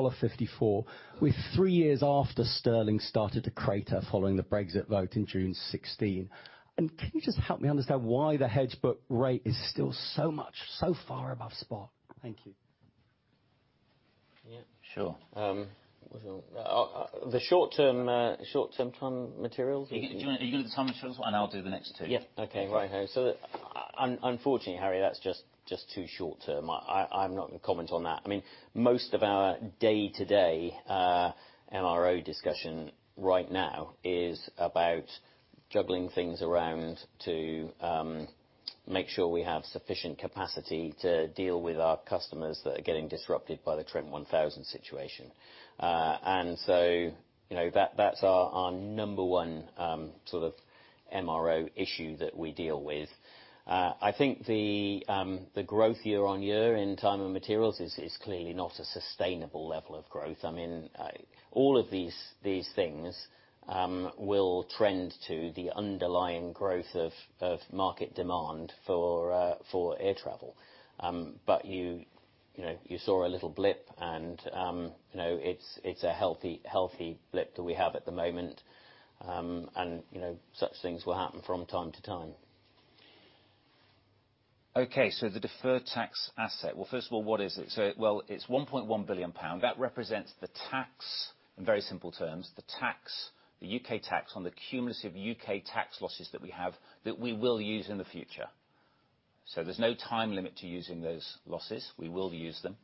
S7: 1.54 with three years after sterling started to crater following the Brexit vote in June 2016. Can you just help me understand why the hedge book rate is still so much, so far above spot? Thank you.
S2: Yeah. Sure. The short-term time materials?
S3: You can do the time materials, and I'll do the next two.
S2: Yeah. Okay. Righto. Unfortunately, Harry, that's just too short-term. I'm not going to comment on that. Most of our day-to-day MRO discussion right now is about juggling things around to make sure we have sufficient capacity to deal with our customers that are getting disrupted by the Trent 1000 situation. That's our number one sort of MRO issue that we deal with. I think the growth year-on-year in time and materials is clearly not a sustainable level of growth. All of these things will trend to the underlying growth of market demand for air travel. You saw a little blip, and it's a healthy blip that we have at the moment. Such things will happen from time to time.
S3: Okay, the deferred tax asset. Well, first of all, what is it? Well, it's 1.1 billion pound. That represents a tax, in very simple terms, the U.K. tax on the cumulative U.K. tax losses that we have that we will use in the future. There's no time limit to using those losses. We will use them.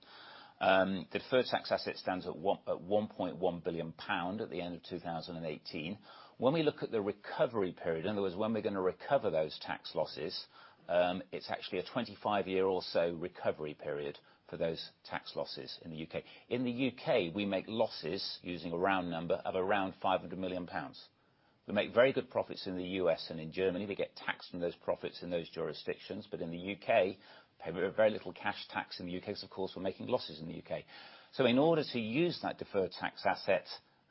S3: Deferred tax asset stands at 1.1 billion pound at the end of 2018. When we look at the recovery period, in other words, when we're going to recover those tax losses, it's actually a 25-year or so recovery period for those tax losses in the U.K. In the U.K., we make losses using a round number of around 500 million pounds. We make very good profits in the U.S. and in Germany. We get taxed on those profits in those jurisdictions. In the U.K., we pay very little cash tax in the U.K. because, of course, we're making losses in the U.K. In order to use that deferred tax asset,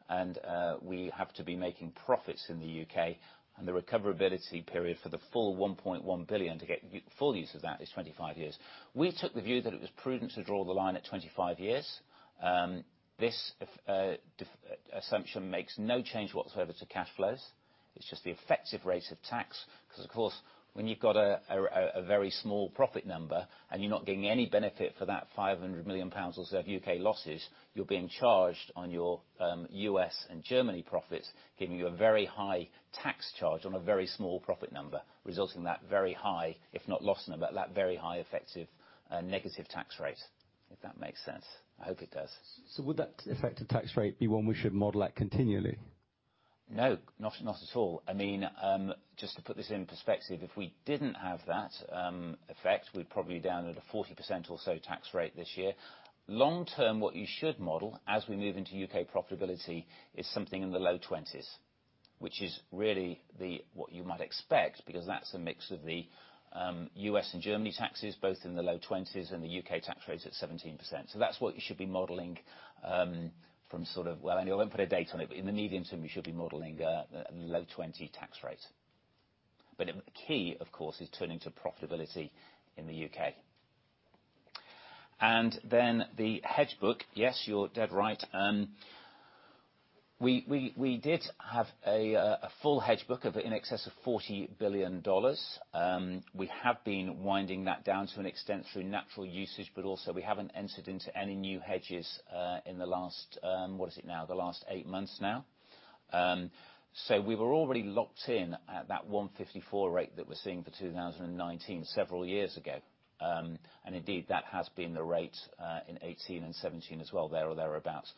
S3: and we have to be making profits in the U.K., and the recoverability period for the full 1.1 billion to get full use of that is 25 years. We took the view that it was prudent to draw the line at 25 years. This assumption makes no change whatsoever to cash flows. It's just the effective rate of tax because, of course, when you've got a very small profit number and you're not getting any benefit for that 500 million pounds or so of U.K. losses, you're being charged on your U.S. and Germany profits, giving you a very high tax charge on a very small profit number, resulting in that very high, if not loss number, but that very high effective negative tax rate. If that makes sense. I hope it does.
S7: Would that effective tax rate be one we should model at continually?
S3: No, not at all. Just to put this in perspective, if we didn't have that effect, we'd probably be down at a 40% or so tax rate this year. Long term, what you should model as we move into U.K. profitability is something in the low 20%, which is really what you might expect, because that's a mix of the U.S. and Germany taxes, both in the low 20%, and the U.K. tax rate's at 17%. That's what you should be modeling from in the medium term, you should be modeling a low 20% tax rate. The key, of course, is turning to profitability in the U.K. The hedge book. Yes, you're dead right. We did have a full hedge book of in excess of $40 billion. We have been winding that down to an extent through natural usage, also we haven't entered into any new hedges in the last, what is it now? The last eight months now. We were already locked in at that 154 million rate that we're seeing for 2019, several years ago. Indeed, that has been the rate in 2018 and 2017 as well, there or thereabouts.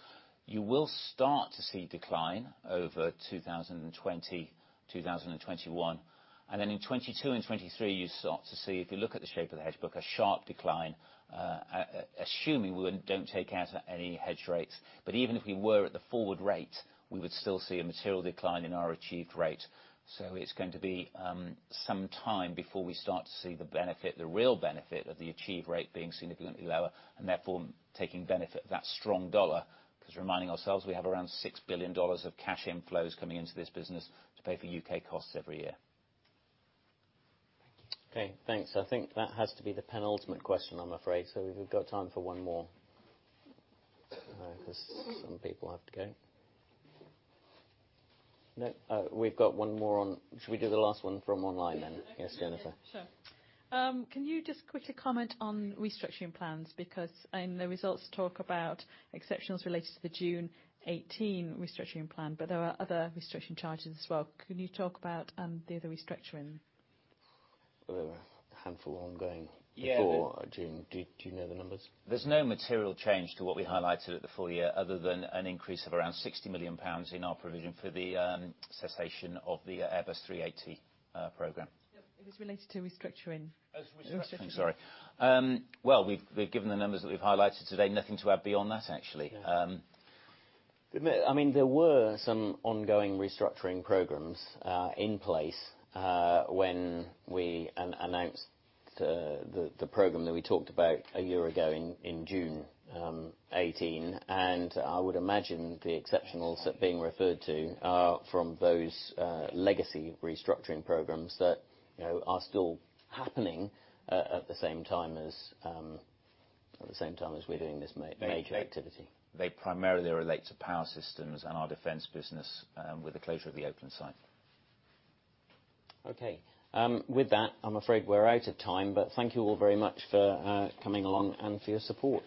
S3: You will start to see decline over 2020, 2021, in 2022 and 2023, you start to see, if you look at the shape of the hedge book, a sharp decline, assuming we don't take out any hedge rates. Even if we were at the forward rate, we would still see a material decline in our achieved rate. It's going to be some time before we start to see the real benefit of the achieved rate being significantly lower, and therefore, taking benefit of that strong dollar, because reminding ourselves, we have around $6 billion of cash inflows coming into this business to pay for U.K. costs every year.
S7: Thank you.
S2: Okay, thanks. I think that has to be the penultimate question, I'm afraid. We've got time for one more. Because some people have to go. No? Shall we do the last one from online? Yes, Jennifer.
S1: Sure. Can you just quickly comment on restructuring plans? In the results talk about exceptionals related to the June 2018 restructuring plan, but there are other restructuring charges as well. Can you talk about the other restructuring?
S3: There were a handful ongoing.
S2: Yeah
S3: before June. Do you know the numbers?
S2: There's no material change to what we highlighted at the full year other than an increase of around 60 million pounds in our provision for the cessation of the Airbus A380 program.
S1: It was related to restructuring.
S2: Oh, restructuring. Sorry. Well, we've given the numbers that we've highlighted today. Nothing to add beyond that, actually. There were some ongoing restructuring programs in place when we announced the program that we talked about a year ago in June 2018. I would imagine the exceptionals being referred to are from those legacy restructuring programs that are still happening at the same time as we're doing this major activity.
S3: They primarily relate to Power Systems and our Defence business with the closure of the Oakland site.
S2: Okay. With that, I'm afraid we're out of time. Thank you all very much for coming along and for your support